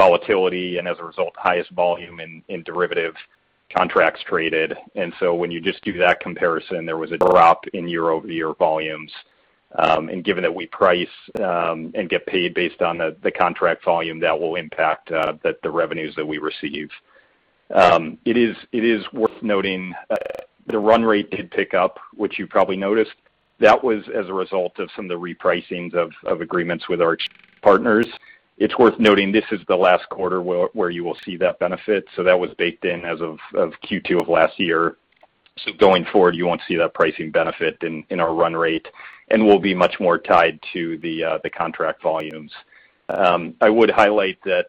volatility and as a result, highest volume in derivative contracts traded. When you just do that comparison, there was a drop in year-over-year volumes. Given that we price and get paid based on the contract volume, that will impact the revenues that we receive. It is worth noting, the run rate did pick up, which you probably noticed. That was as a result of some of the repricings of agreements with our exchange partners. It's worth noting this is the last quarter where you will see that benefit, so that was baked in as of Q2 of last year. Going forward, you won't see that pricing benefit in our run rate and will be much more tied to the contract volumes. I would highlight that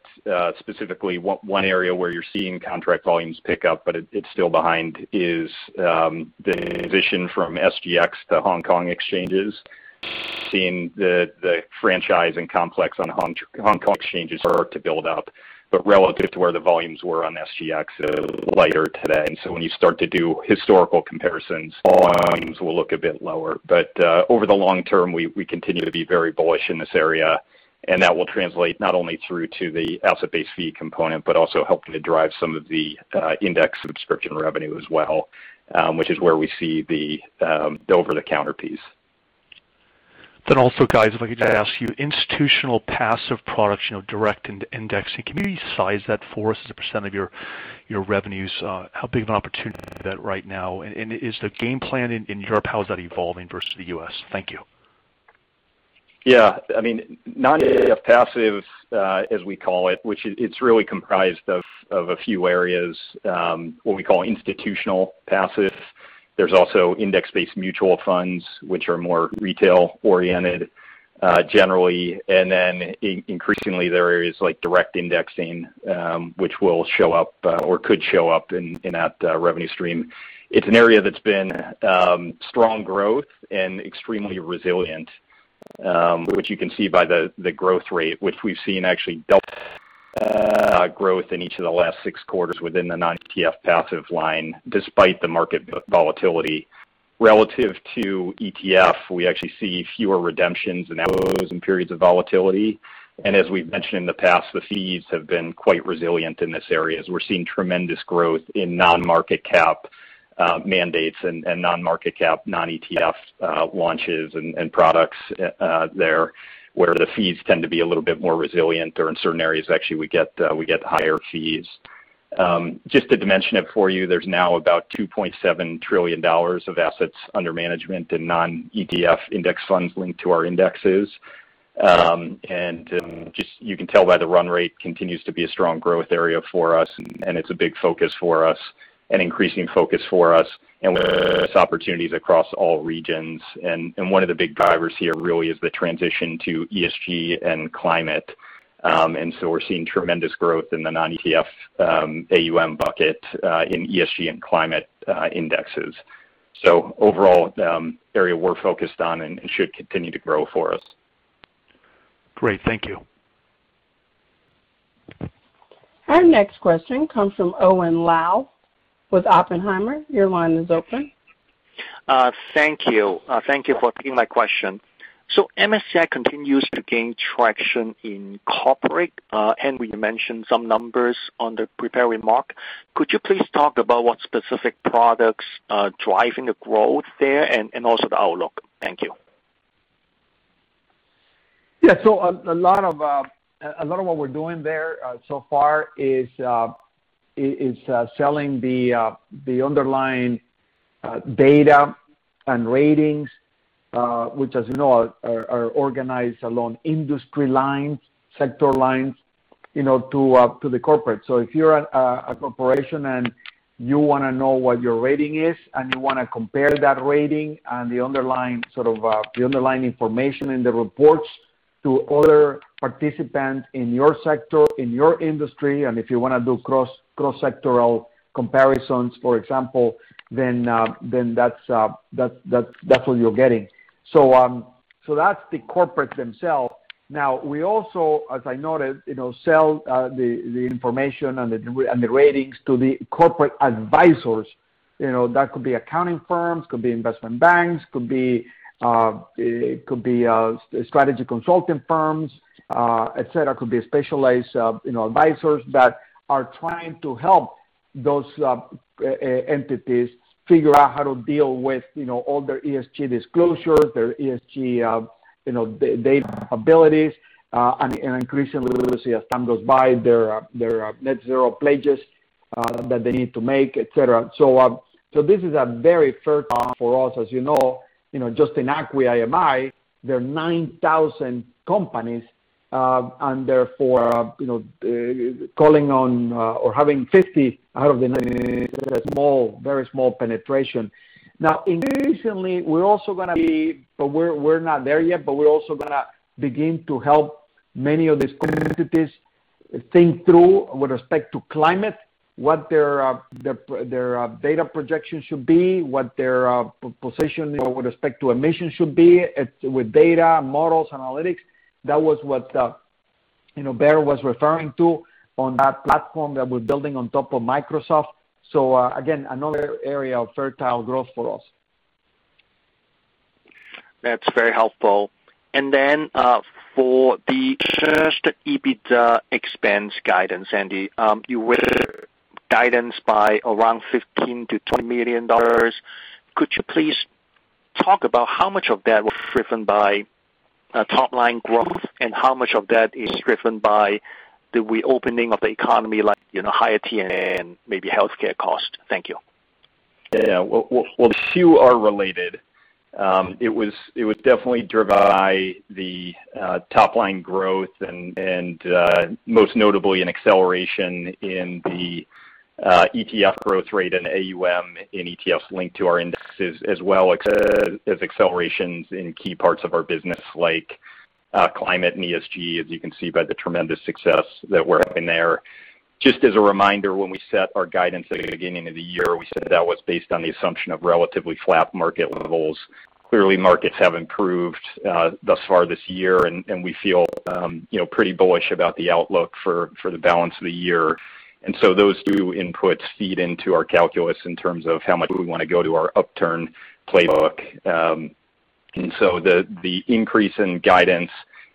specifically one area where you're seeing contract volumes pick up, but it's still behind, is the transition from SGX to Hong Kong Exchanges. Seeing the franchise and complex on Hong Kong Exchanges are to build out, but relative to where the volumes were on SGX are lighter today. When you start to do historical comparisons, volumes will look a bit lower. Over the long term, we continue to be very bullish in this area, and that will translate not only through to the asset-based fee component, but also helping to drive some of the index subscription revenue as well, which is where we see the over-the-counter piece. Also, guys, if I could just ask you, institutional passive products, direct indexing, can you size that for us as a percent of your revenues? How big of an opportunity is that right now, and is the game plan in Europe, how is that evolving versus the U.S.? Thank you. Yeah. Non-ETF passive, as we call it, which it's really comprised of a few areas, what we call institutional passive. There's also index-based mutual funds, which are more retail-oriented, generally. Increasingly, there is direct indexing, which will show up or could show up in that revenue stream. It's an area that's been strong growth and extremely resilient, which you can see by the growth rate, which we've seen actually double-digit growth in each of the last six quarters within the non-ETF passive line, despite the market volatility. Relative to ETF, we actually see fewer redemptions and outflows in periods of volatility. As we've mentioned in the past, the fees have been quite resilient in this area, as we're seeing tremendous growth in non-market cap mandates and non-market cap, non-ETF launches and products there, where the fees tend to be a little bit more resilient, or in certain areas, actually, we get higher fees. Just to dimension it for you, there's now about $2.7 trillion of assets under management in non-ETF index funds linked to our indexes. You can tell by the run rate continues to be a strong growth area for us, and it's a big focus for us, an increasing focus for us, and we see opportunities across all regions. One of the big drivers here really is the transition to ESG and climate. We're seeing tremendous growth in the non-ETF AUM bucket in ESG and climate indexes. Overall, area we're focused on and should continue to grow for us. Great. Thank you. Our next question comes from Owen Lau with Oppenheimer. Your line is open. Thank you. Thank you for taking my question. MSCI continues to gain traction in corporate. Henry, you mentioned some numbers on the prepared remarks. Could you please talk about what specific products are driving the growth there and also the outlook? Thank you. A lot of what we're doing there so far is selling the underlying data and ratings, which, as you know, are organized along industry lines, sector lines to the corporate. If you're a corporation and you want to know what your rating is, and you want to compare that rating and the underlying information in the reports to other participants in your sector, in your industry, and if you want to do cross-sectoral comparisons, for example, then that's what you're getting. That's the corporate themselves. We also, as I noted, sell the information and the ratings to the corporate advisors. That could be accounting firms, could be investment banks, could be strategy consulting firms, et cetera. Could be specialized advisors that are trying to help those entities figure out how to deal with all their ESG disclosures, their ESG data abilities, and increasingly, we will see as time goes by, their net zero pledges that they need to make, et cetera. This is a very fertile for us. As you know, just in ACWI IMI, there are 9,000 companies, and therefore, calling on or having 50 out of the 9,000 is a very small penetration. Now, increasingly, we're not there yet, but we're also going to begin to help many of these corporate entities think through with respect to climate, what their data projections should be, what their position with respect to emissions should be, with data, models, analytics. That was what Baer Pettit was referring to on that platform that we're building on top of Microsoft. Again, another area of fertile growth for us. That's very helpful. Then for the first EBITDA expense guidance, Andy, you raised guidance by around $15 million-$20 million. Could you please talk about how much of that was driven by top-line growth and how much of that is driven by the reopening of the economy, like higher T&M, maybe healthcare costs? Thank you. Well, the two are related. It was definitely driven by the top-line growth and most notably an acceleration in the ETF growth rate and AUM in ETFs linked to our indexes, as well as accelerations in key parts of our business like climate and ESG, as you can see by the tremendous success that we're having there. Just as a reminder, when we set our guidance at the beginning of the year, we said that was based on the assumption of relatively flat market levels. Clearly, markets have improved thus far this year, and we feel pretty bullish about the outlook for the balance of the year. So those two inputs feed into our calculus in terms of how much we want to go to our upturn playbook. The increase in guidance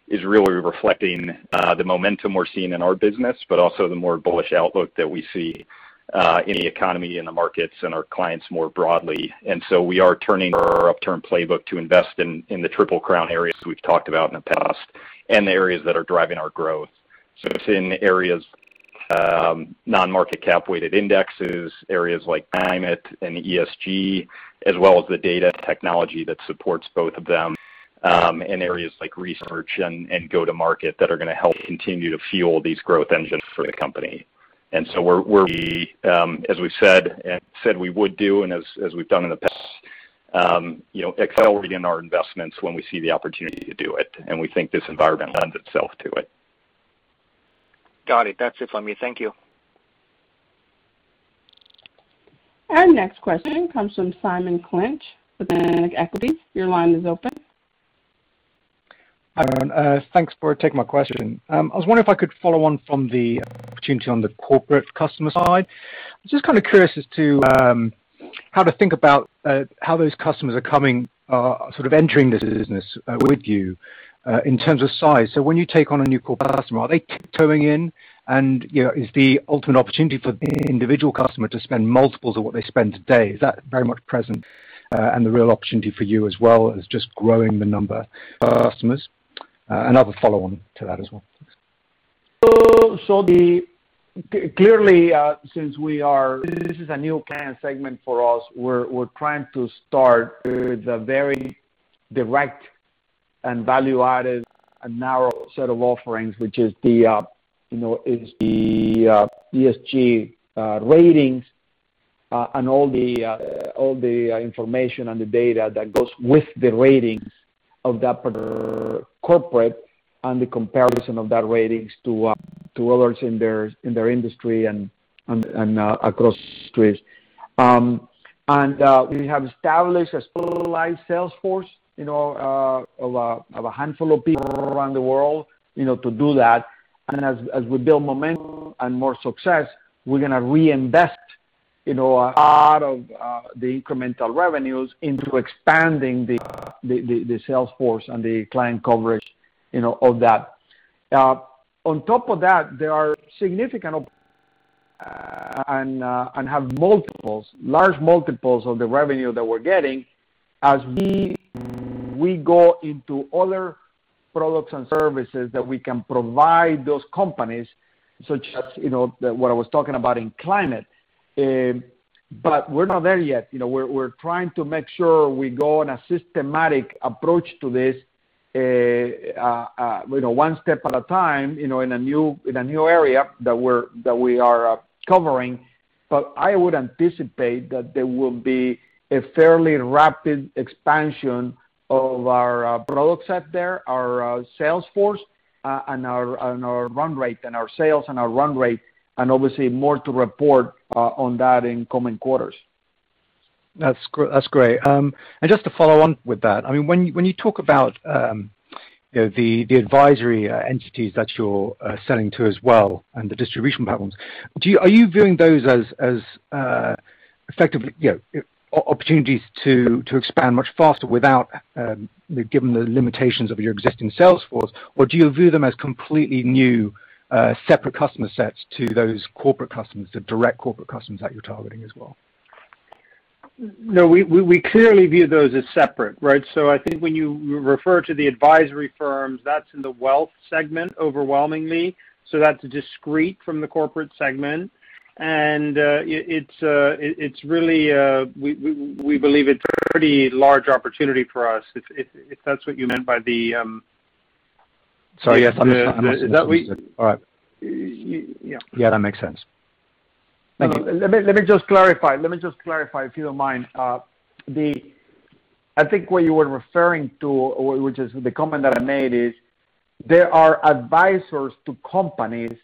is really reflecting the momentum we're seeing in our business, but also the more bullish outlook that we see in the economy, in the markets, and our clients more broadly. We are turning our upturn playbook to invest in the Triple-Crown areas we've talked about in the past, and the areas that are driving our growth. It's in areas, non-market cap-weighted indices, areas like climate and ESG, as well as the data technology that supports both of them, and areas like research and go-to-market that are going to help continue to fuel these growth engines for the company. We're, as we've said we would do, and as we've done in the past, accelerating our investments when we see the opportunity to do it, and we think this environment lends itself to it. Got it. That's it from me. Thank you. Our next question comes from Simon Clinch with Atlantic Equities. Your line is open. Hi, everyone. Thanks for taking my question. I was wondering if I could follow on from the opportunity on the corporate customer side. I'm just kind of curious as to how to think about how those customers are coming, sort of entering this business with you, in terms of size. When you take on a new corporate customer, are they toeing in, and is the ultimate opportunity for the individual customer to spend multiples of what they spend today, is that very much present and the real opportunity for you as well as just growing the number of customers? I have a follow on to that as well. Clearly since this is a new segment for us, we're trying to start with a very direct and value-added and narrow set of offerings, which is the ESG ratings, and all the information and the data that goes with the ratings of that particular corporate and the comparison of that ratings to others in their industry and across industries. We have established a specialized sales force of a handful of people around the world to do that. As we build momentum and more success, we're going to reinvest a lot of the incremental revenues into expanding the sales force and the client coverage of that. On top of that, there are significant opportunities, and have large multiples of the revenue that we're getting as we go into other products and services that we can provide those companies, such as what I was talking about in climate. We're not there yet. We're trying to make sure we go in a systematic approach to this, one step at a time, in a new area that we are covering. I would anticipate that there will be a fairly rapid expansion of our product set there, our sales force, and our sales and our run rate, and obviously more to report on that in coming quarters. That's great. Just to follow on with that, when you talk about the advisory entities that you're selling to as well and the distribution patterns, are you viewing those as effectively opportunities to expand much faster given the limitations of your existing sales force, or do you view them as completely new, separate customer sets to those corporate customers, the direct corporate customers that you're targeting as well? No, we clearly view those as separate. I think when you refer to the advisory firms, that's in the wealth segment overwhelmingly, so that's discrete from the corporate segment. We believe it's a pretty large opportunity for us. Sorry. Yes. Is that we- All right. Yeah. Yeah, that makes sense. Thank you. Let me just clarify, if you don't mind. I think what you were referring to, which is the comment that I made, is there are advisors to companies,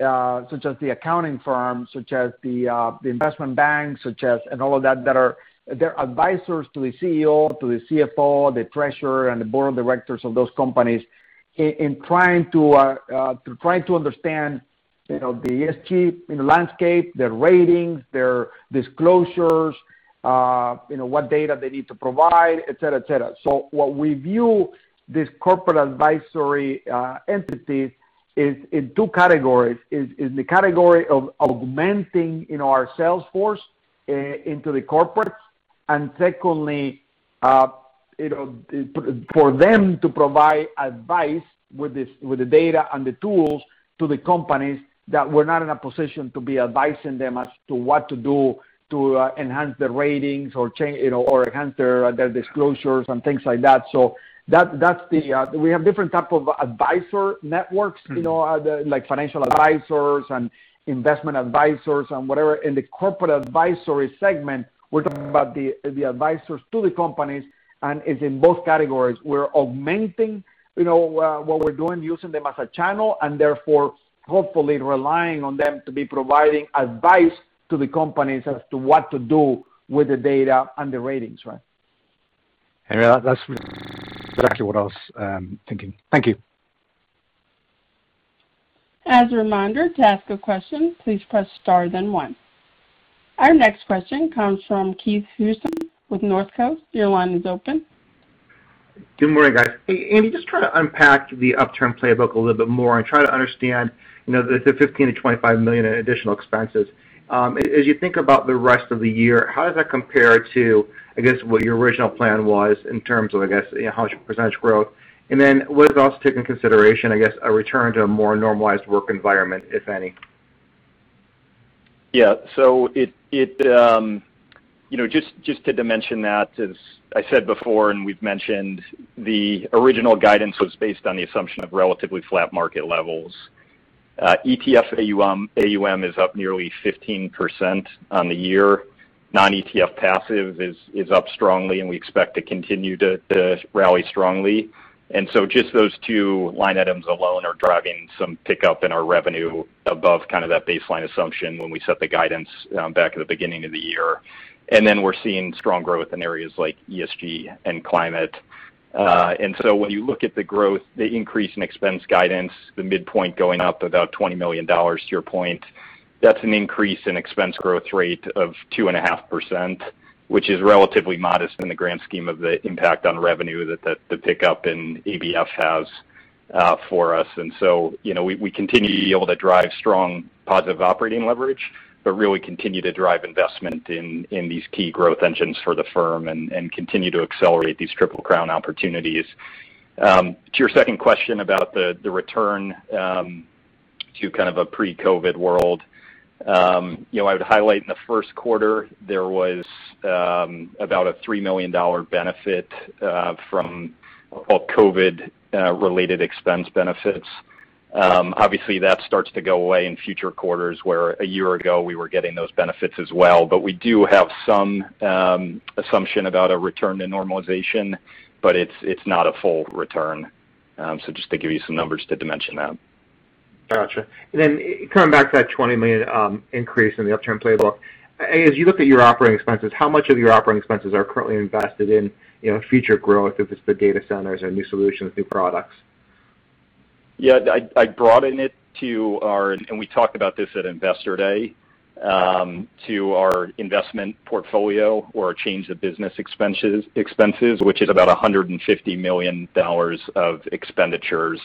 such as the accounting firms, such as the investment banks, and all of that are advisors to the CEO, to the CFO, the treasurer, and the board of directors of those companies in trying to understand the ESG landscape, their ratings, their disclosures, what data they need to provide, et cetera. What we view these corporate advisory entities is in two categories, is the category of augmenting our sales force, into the corporates. Secondly, for them to provide advice with the data and the tools to the companies that were not in a position to be advising them as to what to do to enhance their ratings or enhance their disclosures and things like that. We have different type of advisor networks, like financial advisors and investment advisors and whatever. In the corporate advisory segment, we're talking about the advisors to the companies, and it's in both categories. We're augmenting what we're doing, using them as a channel, and therefore, hopefully relying on them to be providing advice to the companies as to what to do with the data and the ratings. That's exactly what I was thinking. Thank you. As a reminder, to ask a question, please press star then one. Our next question comes from Keith Housum with Northcoast. Your line is open. Good morning, guys. Hey, Andy, just trying to unpack the upturn playbook a little bit more and try to understand the $15 million-$25 million in additional expenses. As you think about the rest of the year, how does that compare to, I guess, what your original plan was in terms of % growth? What is also taken into consideration, I guess, a return to a more normalized work environment, if any? Just to dimension that, as I said before, and we've mentioned, the original guidance was based on the assumption of relatively flat market levels. ETF AUM is up nearly 15% on the year. Non-ETF passive is up strongly, and we expect to continue to rally strongly. Just those two-line items alone are driving some pickup in our revenue above that baseline assumption when we set the guidance back at the beginning of the year. We're seeing strong growth in areas like ESG and climate. When you look at the growth, the increase in expense guidance, the midpoint going up about $20 million to your point, that's an increase in expense growth rate of 2.5%, which is relatively modest in the grand scheme of the impact on revenue that the pickup in ABF has for us. We continue to be able to drive strong positive operating leverage, but really continue to drive investment in these key growth engines for the firm and continue to accelerate these Triple-Crown opportunities. To your second question about the return to kind of a pre-COVID world. I would highlight in the first quarter, there was about a $3 million benefit from COVID-related expense benefits. Obviously, that starts to go away in future quarters, where a year ago, we were getting those benefits as well. We do have some assumption about a return to normalization, but it's not a full return. Just to give you some numbers to dimension that. Got you. Coming back to that $20 million increase in the upturn playbook, as you look at your operating expenses, how much of your operating expenses are currently invested in future growth, if it's the data centers or new solutions, new products? I broaden it to our, and we talked about this at Investor Day, to our investment portfolio or change of business expenses, which is about $150 million of expenditures.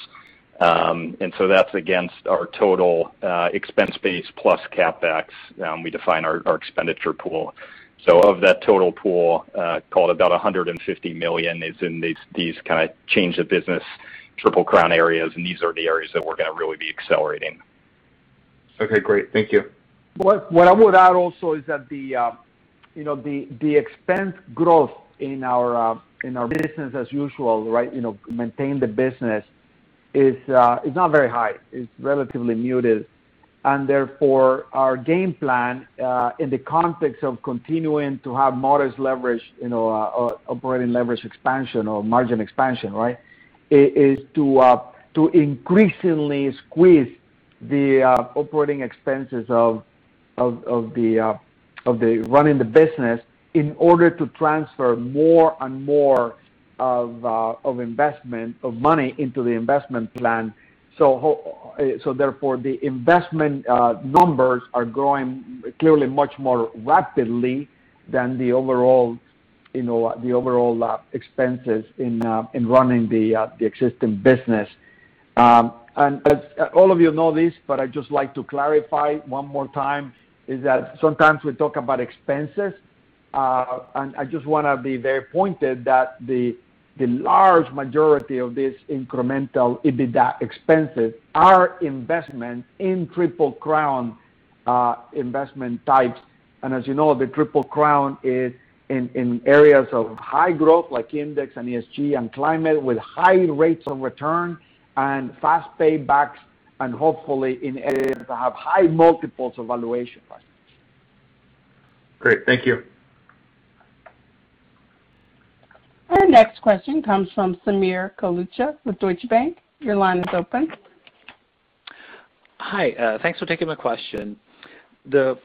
That's against our total expense base plus CapEx, we define our expenditure pool. Of that total pool, call it about $150 million, is in these kind of change of business Triple-Crown areas, and these are the areas that we're going to really be accelerating. Okay, great. Thank you. What I would add also is that the expense growth in our business as usual, maintain the business, is not very high. It's relatively muted. Therefore, our game plan, in the context of continuing to have modest leverage, operating leverage expansion or margin expansion is to increasingly squeeze the operating expenses of the running the business in order to transfer more and more of money into the investment plan. Therefore, the investment numbers are growing clearly much more rapidly than the overall expenses in running the existing business. As all of you know this, but I'd just like to clarify one more time, is that sometimes we talk about expenses. I just want to be very pointed that the large majority of these incremental EBITDA expenses are investment in Triple-Crown investment types. As you know, the Triple-Crown is in areas of high growth, like index and ESG and climate, with high rates of return and fast paybacks, and hopefully in areas that have high multiples of valuation. Great. Thank you. Our next question comes from Sameer Kalucha with Deutsche Bank. Your line is open. Hi. Thanks for taking my question. The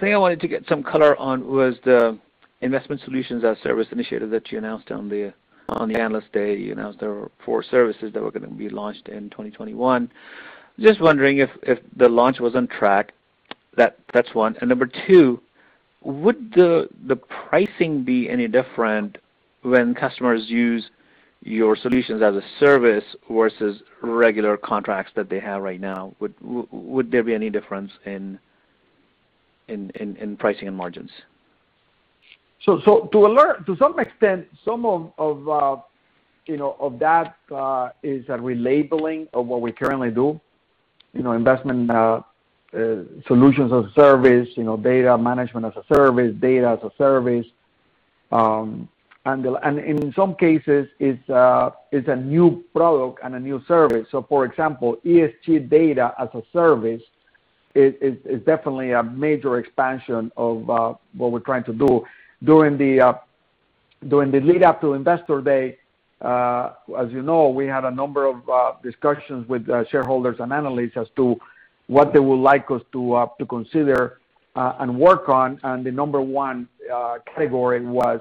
thing I wanted to get some color on was the Investment Solutions as a Service initiative that you announced on the Investor Day. You announced there were four services that were going to be launched in 2021. Just wondering if the launch was on track. That's one. Number two, would the pricing be any different when customers use your solutions as a service versus regular contracts that they have right now? Would there be any difference in pricing and margins? To some extent, some of that is a relabeling of what we currently do. Investment Solutions as a Service, Data Management Solutions as a Service, data as a service. In some cases, it's a new product and a new service. For example, ESG data as a service is definitely a major expansion of what we're trying to do. During the lead-up to Investor Day, as you know, we had a number of discussions with shareholders and analysts as to what they would like us to consider and work on, and the number one category was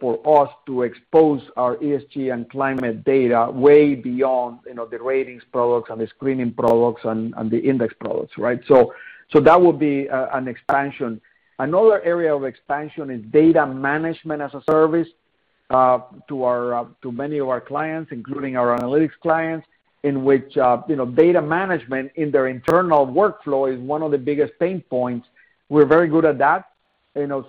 for us to expose our ESG and climate data way beyond the ratings products, the screening products, and the index products, right? That would be an expansion. Another area of expansion is data management as a service to many of our clients, including our analytics clients, in which data management in their internal workflow is one of the biggest pain points. We're very good at that,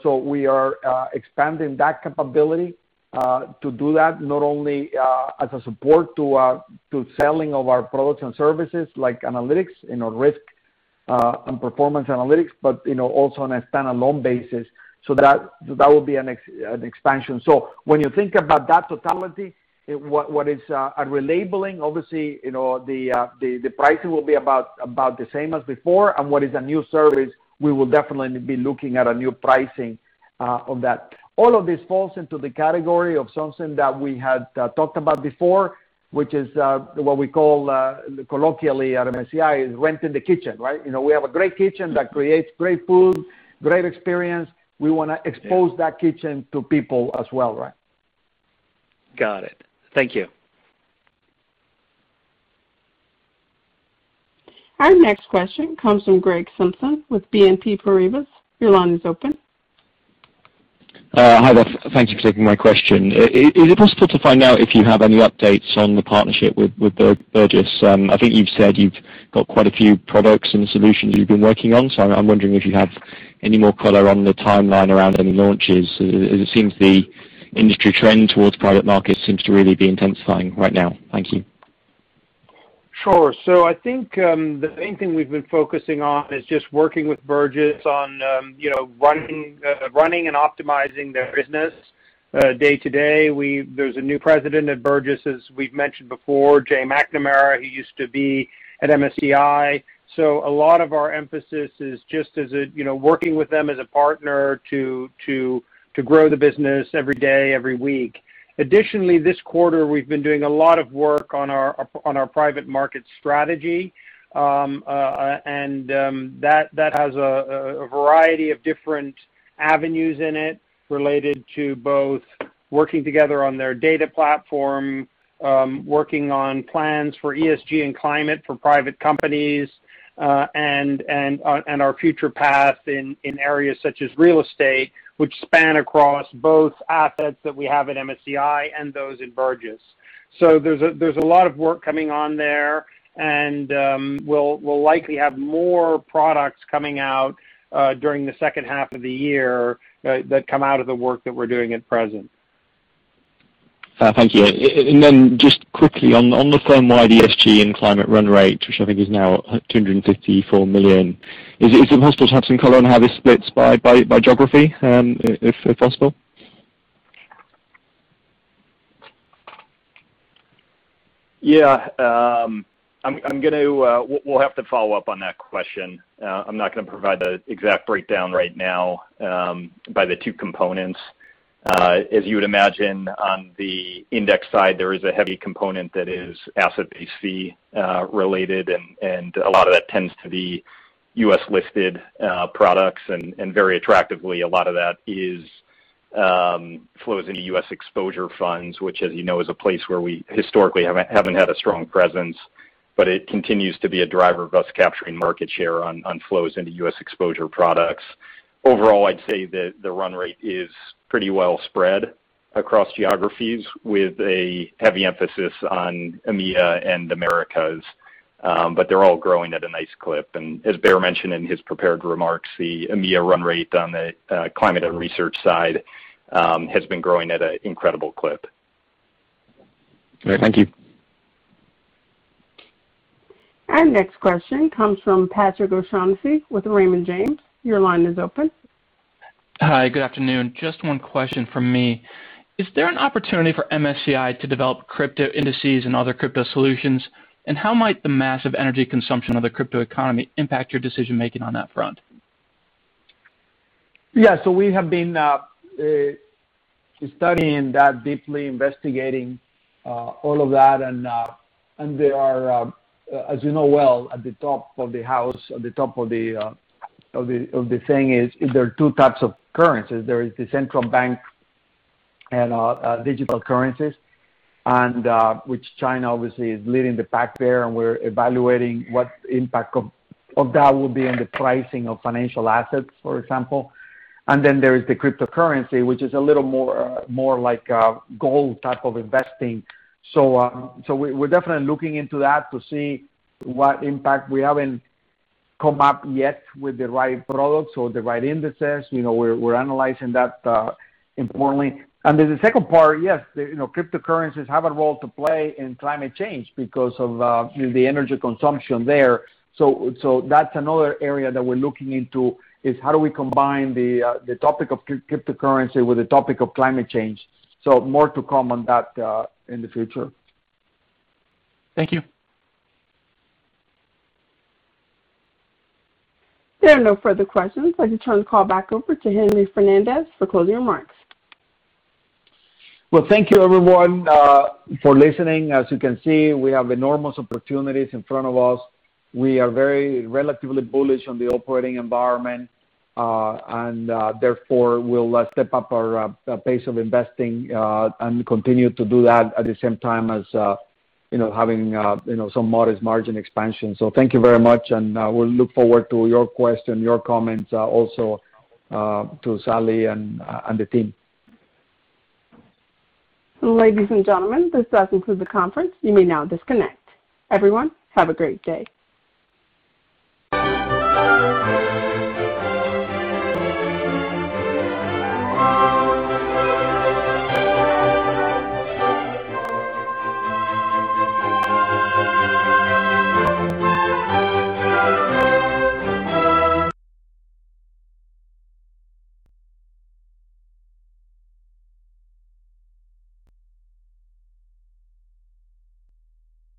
so we are expanding that capability to do that, not only as a support to selling of our products and services, like analytics, risk and performance analytics, but also on a stand-alone basis. That would be an expansion. When you think about that totality, what is a relabeling, obviously, the pricing will be about the same as before, and what is a new service, we will definitely be looking at a new pricing of that. All of this falls into the category of something that we had talked about before, which is what we call colloquially at MSCI is renting the kitchen, right? We have a great kitchen that creates great food, great experience. We want to expose that kitchen to people as well, right? Got it. Thank you. Our next question comes from Greg Simpson with BNP Paribas. Your line is open. Hi there. Thank you for taking my question. Is it possible to find out if you have any updates on the partnership with Burgiss? I think you've said you've got quite a few products and solutions you've been working on. I'm wondering if you have any more color on the timeline around any launches. It seems the industry trend towards private markets seems to really be intensifying right now. Thank you. Sure. I think, the main thing we've been focusing on is just working with Burgiss on running and optimizing their business day to day. There's a new president at Burgiss, as we've mentioned before, Jay McNamara, who used to be at MSCI. A lot of our emphasis is just working with them as a partner to grow the business every day, every week. Additionally, this quarter, we've been doing a lot of work on our private market strategy. That has a variety of different avenues in it related to both working together on their data platform, working on plans for ESG and climate for private companies, and our future path in areas such as real estate, which span across both assets that we have at MSCI and those in Burgiss. There's a lot of work coming on there, and we'll likely have more products coming out during the second half of the year that come out of the work that we're doing at present. Thank you. Then just quickly on the firm-wide ESG and climate run rate, which I think is now at $254 million. Is it possible to have some color on how this splits by geography, if possible? Yeah. We'll have to follow up on that question. I'm not going to provide the exact breakdown right now by the two components. As you would imagine, on the index side, there is a heavy component that is asset-based related, and a lot of that tends to be U.S.-listed products, and very attractively, a lot of that flows into U.S. exposure funds, which as you know, is a place where we historically haven't had a strong presence, but it continues to be a driver of us capturing market share on flows into U.S. exposure products. Overall, I'd say that the run rate is pretty well spread across geographies with a heavy emphasis on EMEA and Americas. They're all growing at a nice clip, and as Baer mentioned in his prepared remarks, the EMEA run rate on the climate and research side has been growing at an incredible clip. Great. Thank you. Our next question comes from Patrick O'Shaughnessy with Raymond James. Your line is open. Hi, good afternoon. Just one question from me. Is there an opportunity for MSCI to develop crypto indices and other crypto solutions? How might the massive energy consumption of the crypto economy impact your decision-making on that front? We have been studying that deeply, investigating all of that, as you know well, at the top of the house, at the top of the thing is, there are 2 types of currencies. There is the central bank and digital currencies, which China obviously is leading the pack there, we're evaluating what impact of that would be on the pricing of financial assets, for example. There is the cryptocurrency, which is a little more like a gold type of investing. We're definitely looking into that to see what impact. We haven't come up yet with the right products or the right indices. We're analyzing that importantly. The second part, yes, cryptocurrencies have a role to play in climate change because of the energy consumption there. That's another area that we're looking into, is how do we combine the topic of cryptocurrency with the topic of climate change. More to come on that in the future. Thank you. There are no further questions. I'd like to turn the call back over to Henry Fernandez for closing remarks. Well, thank you, everyone, for listening. As you can see, we have enormous opportunities in front of us. We are very relatively bullish on the operating environment, and therefore, we'll step up our pace of investing, and continue to do that at the same time as having some modest margin expansion. Thank you very much, and we look forward to your questions, your comments, also, to Salli and the team. Ladies and gentlemen, this does conclude the conference. You may now disconnect. Everyone, have a great day.